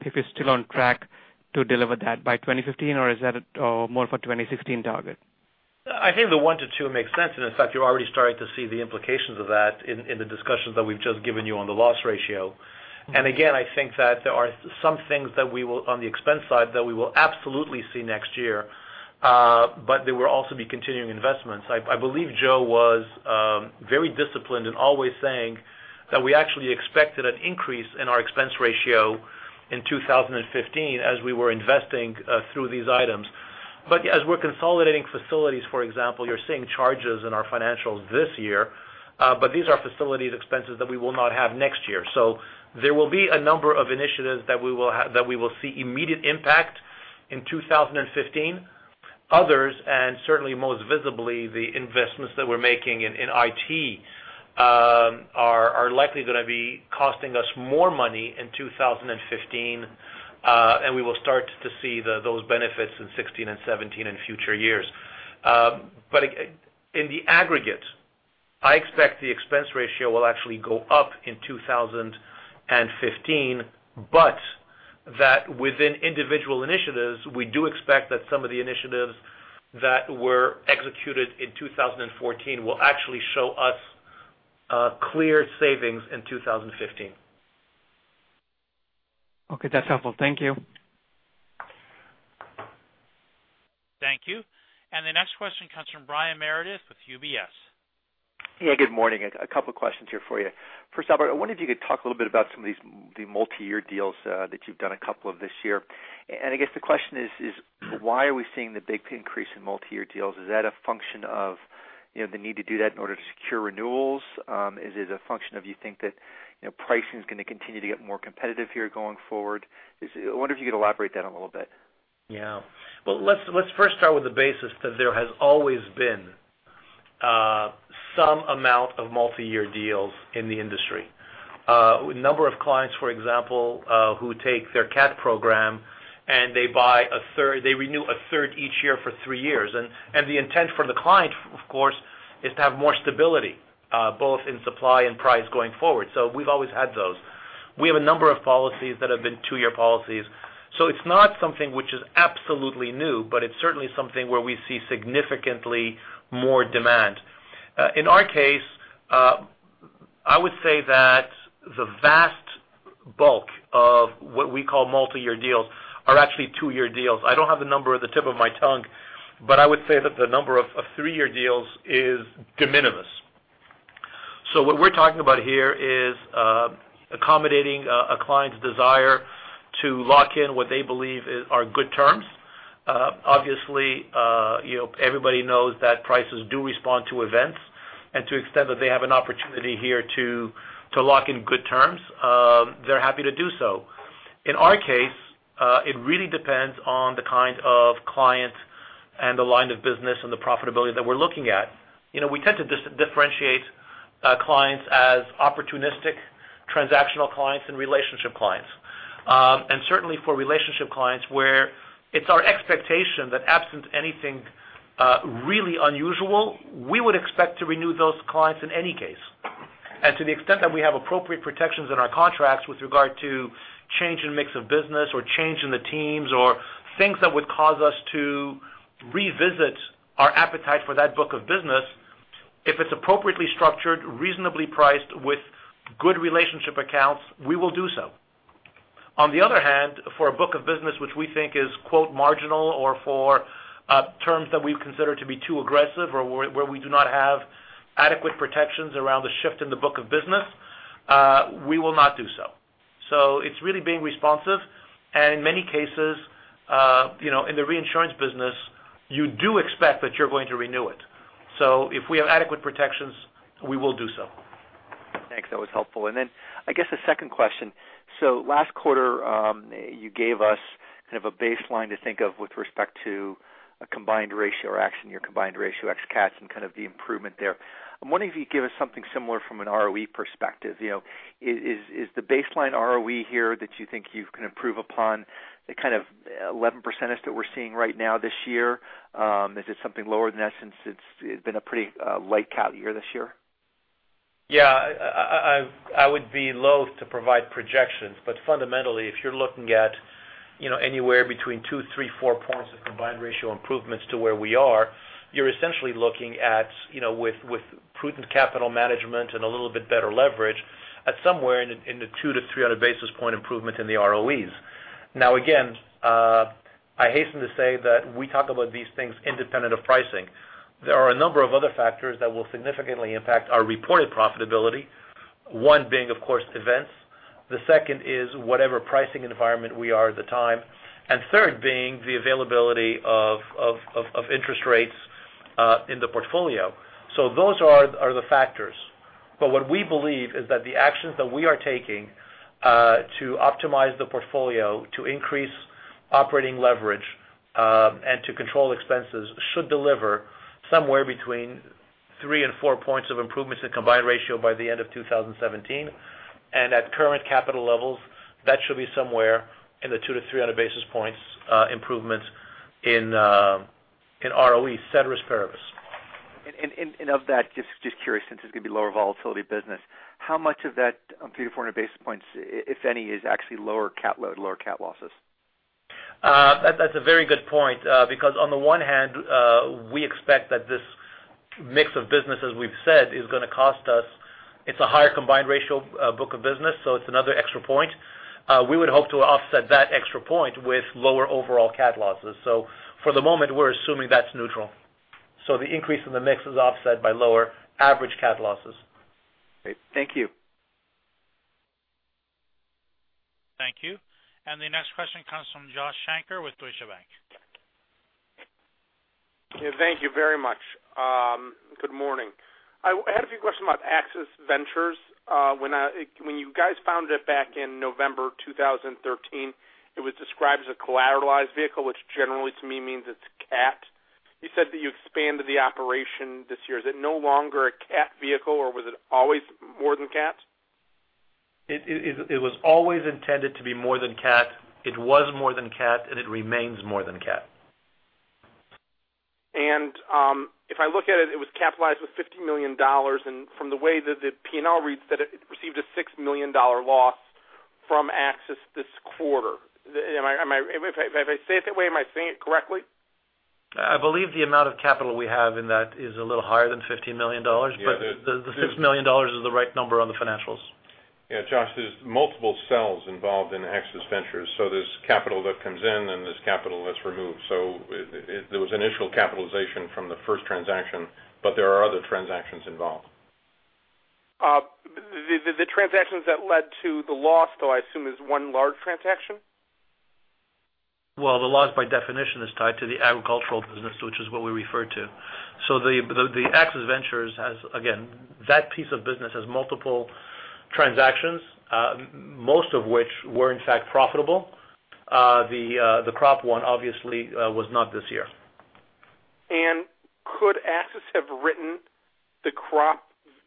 if you're still on track to deliver that by 2015 or is that more for 2016 target? I think the one to two makes sense, and in fact, you're already starting to see the implications of that in the discussions that we've just given you on the loss ratio. Again, I think that there are some things on the expense side that we will absolutely see next year. There will also be continuing investments. I believe Joe was very disciplined in always saying that we actually expected an increase in our expense ratio in 2015 as we were investing through these items. As we're consolidating facilities, for example, you're seeing charges in our financials this year, but these are facilities expenses that we will not have next year. There will be a number of initiatives that we will see immediate impact in 2015. Others, and certainly most visibly, the investments that we're making in IT, are likely going to be costing us more money in 2015. We will start to see those benefits in 2016 and 2017 and future years. In the aggregate, I expect the expense ratio will actually go up in 2015. That within individual initiatives, we do expect that some of the initiatives that were executed in 2014 will actually show us clear savings in 2015. Okay. That's helpful. Thank you. Thank you. The next question comes from Brian Meredith with UBS. Hey, good morning. A couple of questions here for you. First off, I wonder if you could talk a little bit about some of the multi-year deals that you've done a couple of this year. I guess the question is why are we seeing the big increase in multi-year deals? Is that a function of the need to do that in order to secure renewals? Is it a function of you think that pricing is going to continue to get more competitive here going forward? I wonder if you could elaborate that a little bit. Yeah. Well, let's first start with the basis that there has always been some amount of multi-year deals in the industry. A number of clients, for example, who take their cat program and they renew a third each year for three years. The intent for the client, of course, is to have more stability, both in supply and price going forward. We've always had those. We have a number of policies that have been two-year policies. It's not something which is absolutely new, but it's certainly something where we see significantly more demand. In our case, I would say that the vast bulk of what we call multi-year deals are actually two-year deals. I don't have the number at the tip of my tongue, but I would say that the number of three-year deals is de minimis. What we're talking about here is accommodating a client's desire to lock in what they believe are good terms. Obviously, everybody knows that prices do respond to events. To the extent that they have an opportunity here to lock in good terms, they're happy to do so. In our case, it really depends on the kind of client and the line of business and the profitability that we're looking at. We tend to differentiate clients as opportunistic transactional clients and relationship clients. Certainly for relationship clients where it's our expectation that absent anything really unusual, we would expect to renew those clients in any case. To the extent that we have appropriate protections in our contracts with regard to change in mix of business or change in the teams or things that would cause us to revisit our appetite for that book of business, if it's appropriately structured, reasonably priced with good relationship accounts, we will do so. On the other hand, for a book of business which we think is "marginal" or for terms that we've considered to be too aggressive or where we do not have adequate protections around the shift in the book of business, we will not do so. It's really being responsive. In many cases, in the reinsurance business, you do expect that you're going to renew it. If we have adequate protections, we will do so. Thanks. That was helpful. I guess the second question. Last quarter, you gave us kind of a baseline to think of with respect to a combined ratio or actually your combined ratio ex cats and kind of the improvement there. I'm wondering if you could give us something similar from an ROE perspective. Is the baseline ROE here that you think you can improve upon the kind of 11% that we're seeing right now this year? Is it something lower than that since it's been a pretty light cat year this year? I would be loath to provide projections, but fundamentally, if you're looking at anywhere between two, three, four points of combined ratio improvements to where we are, you're essentially looking at, with prudent capital management and a little bit better leverage, at somewhere in the 2 to 300 basis point improvement in the ROEs. Again, I hasten to say that we talk about these things independent of pricing. There are a number of other factors that will significantly impact our reported profitability. One being, of course, events. The second is whatever pricing environment we are at the time, and third being the availability of interest rates in the portfolio. Those are the factors. What we believe is that the actions that we are taking to optimize the portfolio to increase operating leverage, and to control expenses should deliver somewhere between three and four points of improvements in combined ratio by the end of 2017. At current capital levels, that should be somewhere in the 2 to 300 basis points improvements in ROE, ceteris paribus. Of that, just curious since it's going to be lower volatility business, how much of that 300-400 basis points, if any, is actually lower cat load, lower cat losses? That's a very good point. On the one hand, we expect that this mix of business, as we've said, it's a higher combined ratio book of business, it's another extra point. We would hope to offset that extra point with lower overall cat losses. For the moment, we're assuming that's neutral. The increase in the mix is offset by lower average cat losses. Great. Thank you. Thank you. The next question comes from Josh Shanker with Deutsche Bank. Yeah, thank you very much. Good morning. I had a few questions about AXIS Ventures. When you guys founded it back in November 2013, it was described as a collateralized vehicle, which generally to me means it's CAT. You said that you expanded the operation this year. Is it no longer a CAT vehicle or was it always more than CAT? It was always intended to be more than CAT. It was more than CAT, it remains more than CAT. If I look at it was capitalized with $50 million. From the way that the P&L reads that it received a $6 million loss from AXIS this quarter. If I say it that way, am I saying it correctly? I believe the amount of capital we have in that is a little higher than $50 million. Yeah. The $6 million is the right number on the financials. Yeah, Josh, there's multiple cells involved in AXIS Ventures. There's capital that comes in, and there's capital that's removed. There was initial capitalization from the first transaction, there are other transactions involved. The transactions that led to the loss, though, I assume is one large transaction? The loss by definition is tied to the agricultural business, which is what we refer to. The AXIS Ventures has, again, that piece of business has multiple transactions, most of which were in fact profitable. The crop one obviously was not this year. Could AXIS have written the crop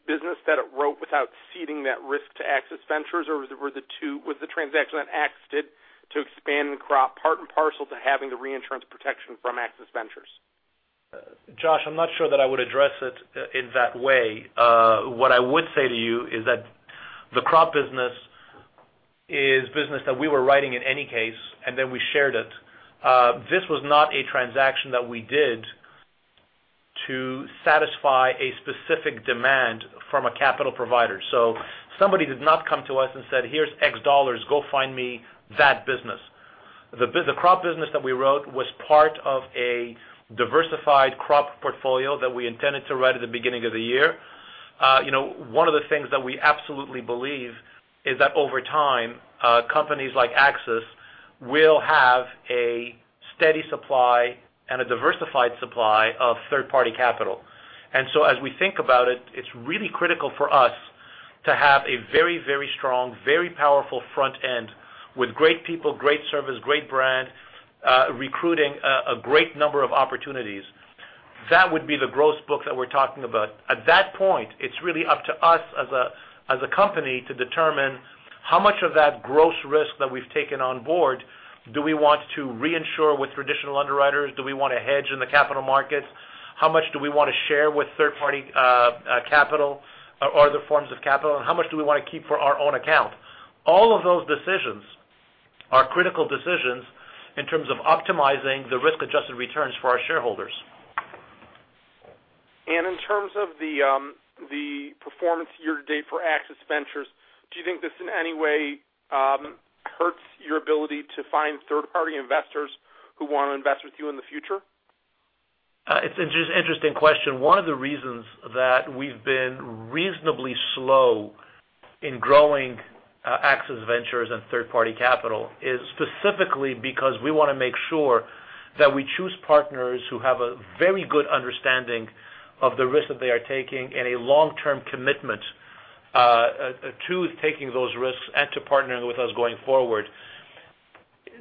business that it wrote without ceding that risk to AXIS Ventures? Was the transaction that AXIS did to expand the crop part and parcel to having the reinsurance protection from AXIS Ventures? Josh, I'm not sure that I would address it in that way. What I would say to you is that the crop business is business that we were writing in any case, then we shared it. This was not a transaction that we did to satisfy a specific demand from a capital provider. Somebody did not come to us and said, "Here's $X. Go find me that business." The crop business that we wrote was part of a diversified crop portfolio that we intended to write at the beginning of the year. One of the things that we absolutely believe is that over time, companies like AXIS will have a steady supply and a diversified supply of third-party capital. As we think about it's really critical for us to have a very strong, very powerful front end with great people, great service, great brand, recruiting a great number of opportunities. That would be the gross book that we're talking about. At that point, it's really up to us as a company to determine how much of that gross risk that we've taken on board do we want to reinsure with traditional underwriters? Do we want to hedge in the capital markets? How much do we want to share with third-party capital or other forms of capital, and how much do we want to keep for our own account? All of those decisions are critical decisions in terms of optimizing the risk-adjusted returns for our shareholders. In terms of the performance year-to-date for AXIS Ventures, do you think this in any way hurts your ability to find third-party investors who want to invest with you in the future? It's an interesting question. One of the reasons that we've been reasonably slow in growing AXIS Ventures and third-party capital is specifically because we want to make sure that we choose partners who have a very good understanding of the risk that they are taking and a long-term commitment to taking those risks and to partnering with us going forward.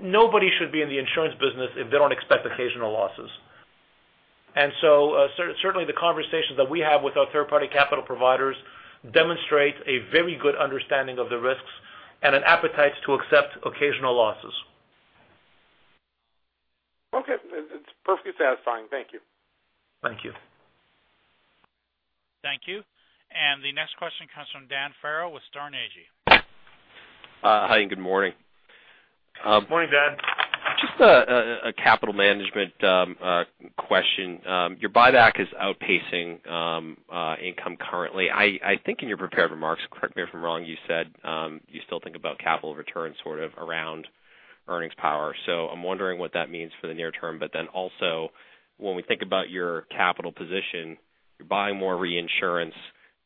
Nobody should be in the insurance business if they don't expect occasional losses. Certainly the conversations that we have with our third-party capital providers demonstrate a very good understanding of the risks and an appetite to accept occasional losses. Okay. It's perfectly satisfying. Thank you. Thank you. Thank you. The next question comes from Dan Farrell with Sterne Agee. Hi, good morning. Good morning, Dan. Just a capital management question. Your buyback is outpacing income currently. I think in your prepared remarks, correct me if I'm wrong, you said you still think about capital returns sort of around earnings power. I'm wondering what that means for the near term, also when we think about your capital position, you're buying more reinsurance,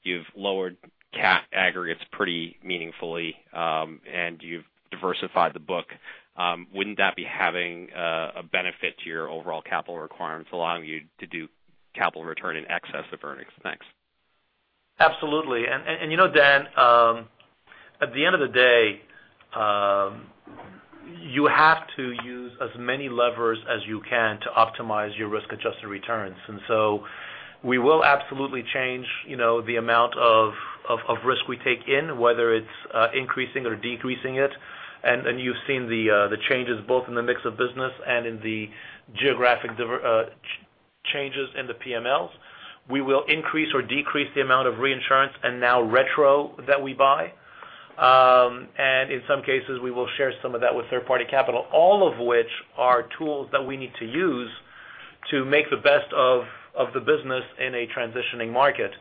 you've lowered CAT aggregates pretty meaningfully, and you've diversified the book. Wouldn't that be having a benefit to your overall capital requirements, allowing you to do capital return in excess of earnings? Thanks. Absolutely. You know, Dan, at the end of the day, you have to use as many levers as you can to optimize your risk-adjusted returns. We will absolutely change the amount of risk we take in, whether it's increasing or decreasing it. You've seen the changes both in the mix of business and in the geographic changes in the PMLs. We will increase or decrease the amount of reinsurance and now retro that we buy. In some cases, we will share some of that with third-party capital, all of which are tools that we need to use to make the best of the business in a transitioning market.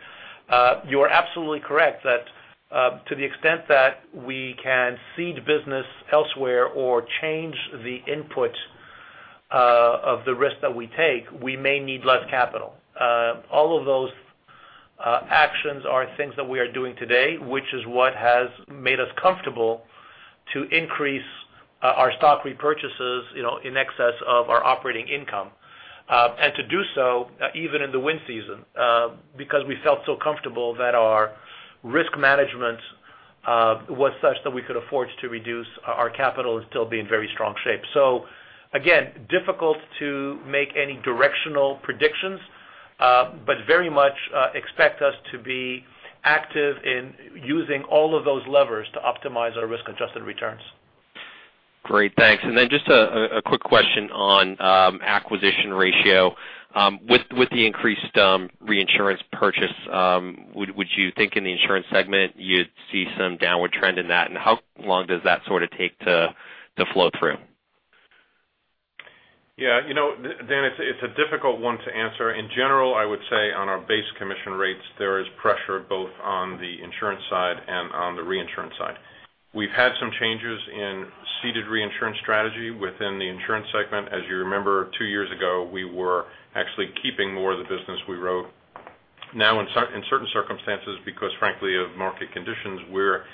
You are absolutely correct that to the extent that we can cede business elsewhere or change the input of the risk that we take, we may need less capital. All of those actions are things that we are doing today, which is what has made us comfortable to increase our stock repurchases in excess of our operating income. To do so even in the wind season, because we felt so comfortable that our risk management was such that we could afford to reduce our capital and still be in very strong shape. Again, difficult to make any directional predictions, but very much expect us to be active in using all of those levers to optimize our risk-adjusted returns. Great. Thanks. Just a quick question on acquisition ratio. With the increased reinsurance purchase, would you think in the insurance segment you'd see some downward trend in that? How long does that take to flow through? Yeah. Dan, it's a difficult one to answer. In general, I would say on our base commission rates, there is pressure both on the insurance side and on the reinsurance side. We've had some changes in ceded reinsurance strategy within the insurance segment. As you remember, two years ago, we were actually keeping more of the business we wrote. Now in certain circumstances, because frankly, of market conditions, we're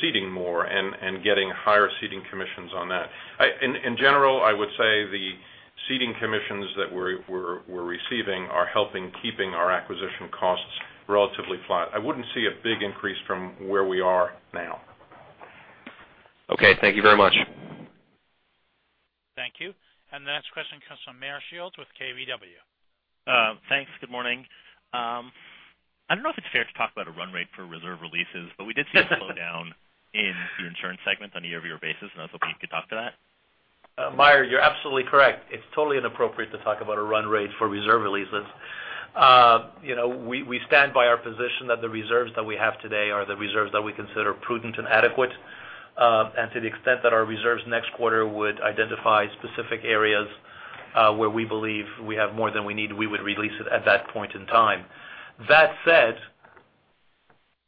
ceding more and getting higher ceding commissions on that. In general, I would say the ceding commissions that we're receiving are helping keeping our acquisition costs relatively flat. I wouldn't see a big increase from where we are now. Okay. Thank you very much. Thank you. The next question comes from Meyer Shields with KBW. Thanks. Good morning. I don't know if it's fair to talk about a run rate for reserve releases, we did see a slowdown in the insurance segment on a year-over-year basis, I was hoping you could talk to that. Meyer, you're absolutely correct. It's totally inappropriate to talk about a run rate for reserve releases. We stand by our position that the reserves that we have today are the reserves that we consider prudent and adequate. To the extent that our reserves next quarter would identify specific areas where we believe we have more than we need, we would release it at that point in time. That said,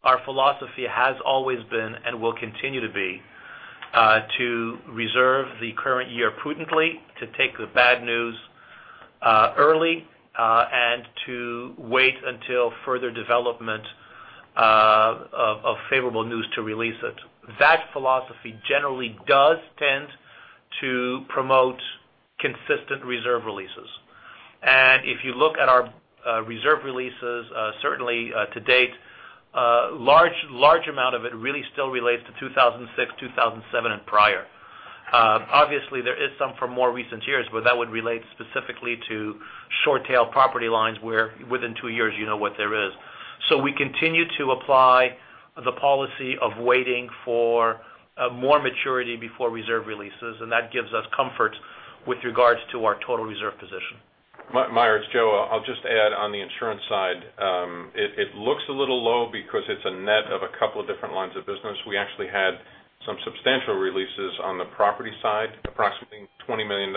our philosophy has always been, will continue to be, to reserve the current year prudently, to take the bad news early, to wait until further development of favorable news to release it. That philosophy generally does tend to promote consistent reserve releases. If you look at our reserve releases, certainly to date, a large amount of it really still relates to 2006, 2007, and prior. Obviously, there is some for more recent years, but that would relate specifically to short-tail property lines, where within two years you know what there is. We continue to apply the policy of waiting for more maturity before reserve releases, and that gives us comfort with regards to our total reserve position. Meyer, it's Joe. I'll just add on the insurance side, it looks a little low because it's a net of a couple of different lines of business. We actually had some substantial releases on the property side, approximately $20 million,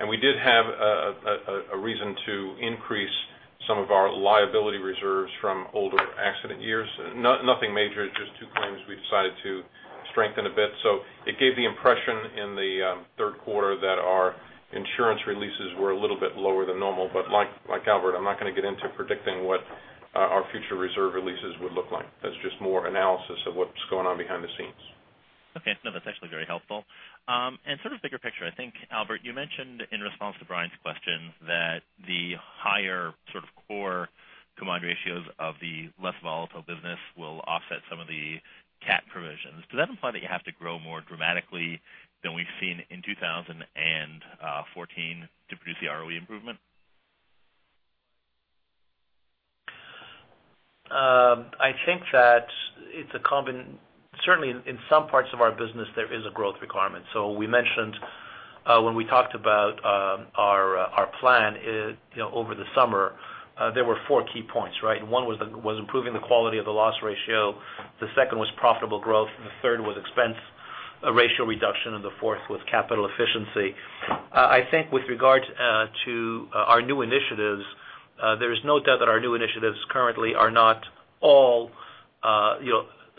and we did have a reason to increase some of our liability reserves from older accident years. Nothing major, just two claims we decided to strengthen a bit. It gave the impression in the third quarter that our insurance releases were a little bit lower than normal. Like Albert, I'm not going to get into predicting what our future reserve releases would look like. That's just more analysis of what's going on behind the scenes. Okay. No, that's actually very helpful. Sort of bigger picture, I think, Albert, you mentioned in response to Brian's question that the higher core combined ratios of the less volatile business will offset some of the CAT provisions. Does that imply that you have to grow more dramatically than we've seen in 2014 to produce the ROE improvement? I think that it's a common, certainly in some parts of our business, there is a growth requirement. We mentioned when we talked about our plan over the summer, there were four key points. One was improving the quality of the loss ratio, the second was profitable growth, and the third was expense ratio reduction, and the fourth was capital efficiency. I think with regard to our new initiatives, there is no doubt that our new initiatives currently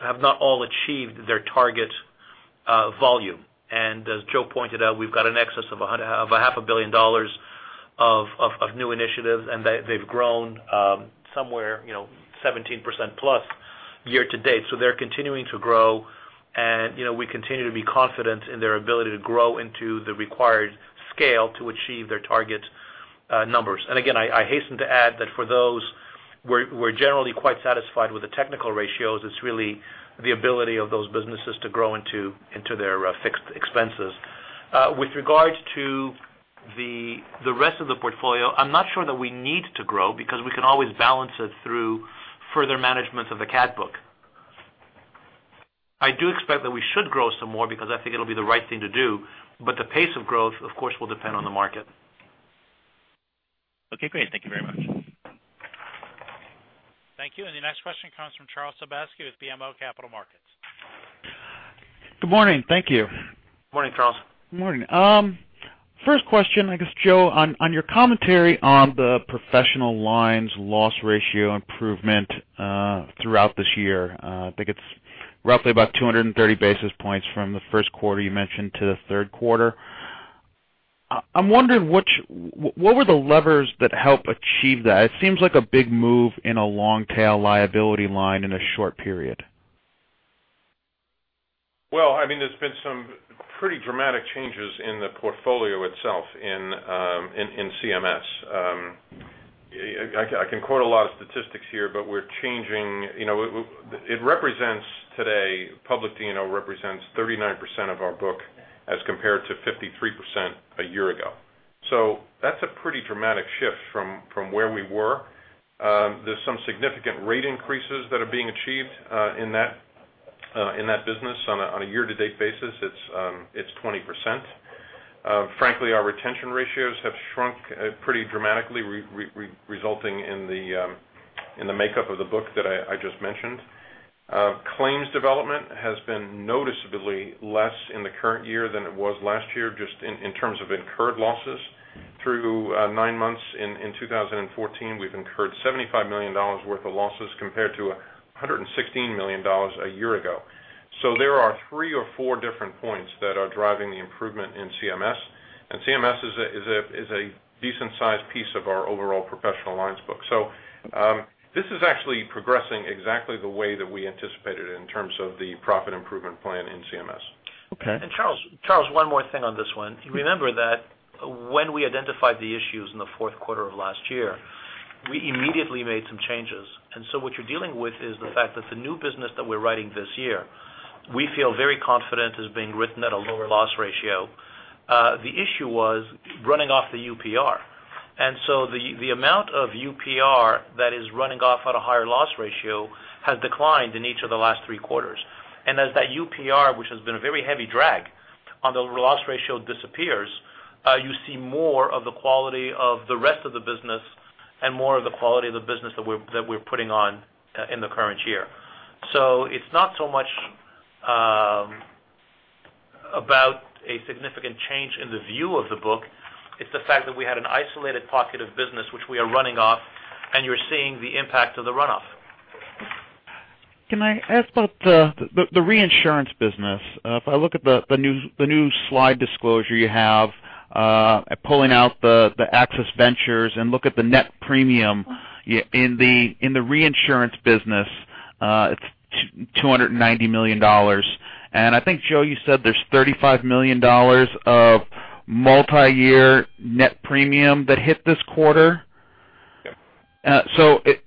have not all achieved their target volume. As Joe pointed out, we've got an excess of a half a billion dollars of new initiatives, and they've grown somewhere 17%-plus year to date. They're continuing to grow, and we continue to be confident in their ability to grow into the required scale to achieve their target numbers. Again, I hasten to add that for those, we're generally quite satisfied with the technical ratios. It's really the ability of those businesses to grow into their fixed expenses. With regards to the rest of the portfolio, I'm not sure that we need to grow because we can always balance it through further management of the CAT book. I do expect that we should grow some more because I think it'll be the right thing to do, but the pace of growth, of course, will depend on the market. Okay, great. Thank you very much. Thank you. The next question comes from Charles Sebaski with BMO Capital Markets. Good morning. Thank you. Morning, Charles. Morning. First question, I guess, Joe, on your commentary on the professional lines loss ratio improvement throughout this year. I think it's roughly about 230 basis points from the first quarter you mentioned to the third quarter. I'm wondering, what were the levers that help achieve that? It seems like a big move in a long-tail liability line in a short period. Well, there's been some pretty dramatic changes in the portfolio itself in CMS. I can quote a lot of statistics here, but we're changing. Public D&O represents 39% of our book as compared to 53% a year ago. That's a pretty dramatic shift from where we were. There's some significant rate increases that are being achieved in that business on a year-to-date basis, it's 20%. Frankly, our retention ratios have shrunk pretty dramatically, resulting in the makeup of the book that I just mentioned. Claims development has been noticeably less in the current year than it was last year, just in terms of incurred losses. Through nine months in 2014, we've incurred $75 million worth of losses compared to $116 million a year ago. There are three or four different points that are driving the improvement in CMS, and CMS is a decent-sized piece of our overall professional lines book. This is actually progressing exactly the way that we anticipated in terms of the profit improvement plan in CMS. Okay. Charles, one more thing on this one. Remember that when we identified the issues in the fourth quarter of last year, we immediately made some changes. What you're dealing with is the fact that the new business that we're writing this year, we feel very confident is being written at a lower loss ratio. The issue was running off the UPR. The amount of UPR that is running off at a higher loss ratio has declined in each of the last three quarters. As that UPR, which has been a very heavy drag on the loss ratio disappears, you see more of the quality of the rest of the business and more of the quality of the business that we're putting on in the current year. It's not so much about a significant change in the view of the book. It's the fact that we had an isolated pocket of business which we are running off, and you're seeing the impact of the runoff. Can I ask about the reinsurance business? If I look at the new slide disclosure you have, pulling out the AXIS Ventures and look at the net premium in the reinsurance business, it's $290 million. I think, Joe, you said there's $35 million of multi-year net premium that hit this quarter. Yes.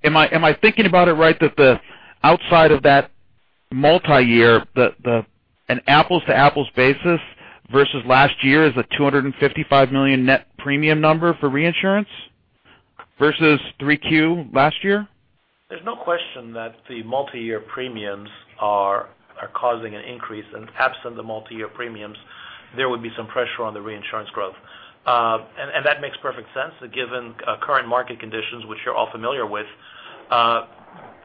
Am I thinking about it right that the outside of that multi-year, an apples-to-apples basis versus last year is a $255 million net premium number for reinsurance versus three Q last year? There's no question that the multi-year premiums are causing an increase, absent the multi-year premiums, there would be some pressure on the reinsurance growth. That makes perfect sense given current market conditions, which you're all familiar with.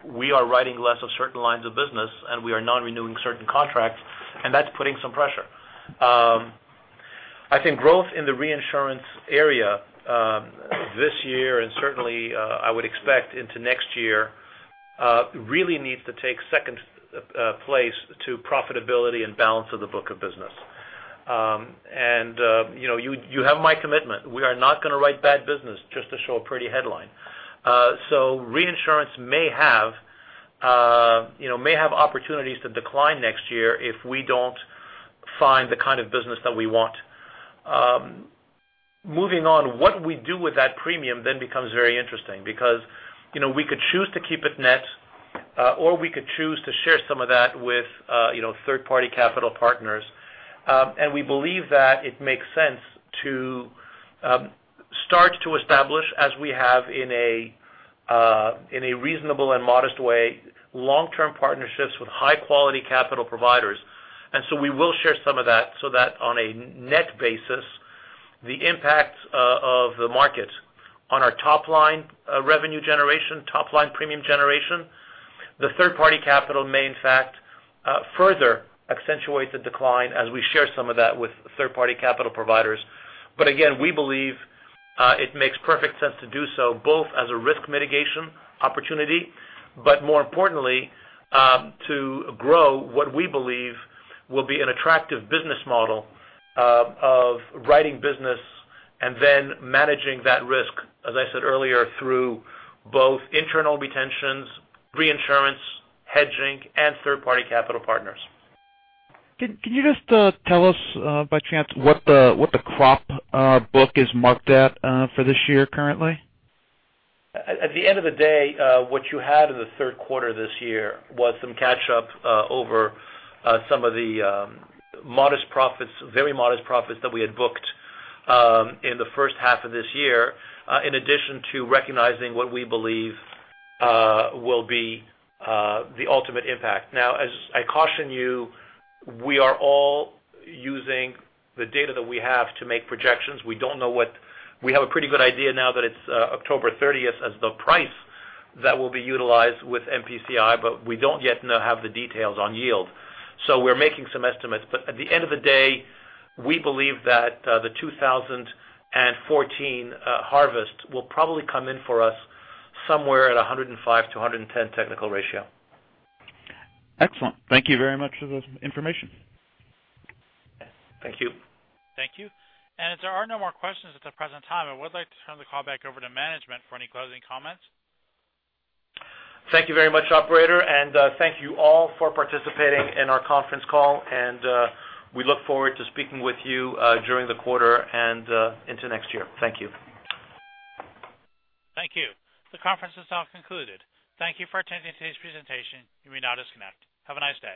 We are writing less of certain lines of business, we are not renewing certain contracts, that's putting some pressure. I think growth in the reinsurance area this year and certainly I would expect into next year really needs to take second place to profitability and balance of the book of business. You have my commitment. We are not going to write bad business just to show a pretty headline. Reinsurance may have opportunities to decline next year if we don't find the kind of business that we want. Moving on, what we do with that premium then becomes very interesting because we could choose to keep it net, or we could choose to share some of that with third-party capital partners. We believe that it makes sense to start to establish, as we have in a reasonable and modest way, long-term partnerships with high-quality capital providers. We will share some of that so that on a net basis, the impact of the market on our top-line revenue generation, top-line premium generation, the third-party capital may in fact further accentuate the decline as we share some of that with third-party capital providers. Again, we believe it makes perfect sense to do so both as a risk mitigation opportunity, but more importantly, to grow what we believe will be an attractive business model of writing business and then managing that risk, as I said earlier, through both internal retentions, reinsurance, hedging, and third-party capital partners. Can you just tell us by chance what the crop book is marked at for this year currently? At the end of the day, what you had in the third quarter this year was some catch up over some of the very modest profits that we had booked in the first half of this year, in addition to recognizing what we believe will be the ultimate impact. Now, as I caution you, we are all using the data that we have to make projections. We have a pretty good idea now that it's October 30th as the price that will be utilized with MPCI, but we don't yet have the details on yield. So we're making some estimates. But at the end of the day, we believe that the 2014 harvest will probably come in for us somewhere at 105 to 110 technical ratio. Excellent. Thank you very much for the information. Thank you. Thank you. If there are no more questions at the present time, I would like to turn the call back over to management for any closing comments. Thank you very much, operator. Thank you all for participating in our conference call. We look forward to speaking with you during the quarter and into next year. Thank you. Thank you. The conference is now concluded. Thank you for attending today's presentation. You may now disconnect. Have a nice day.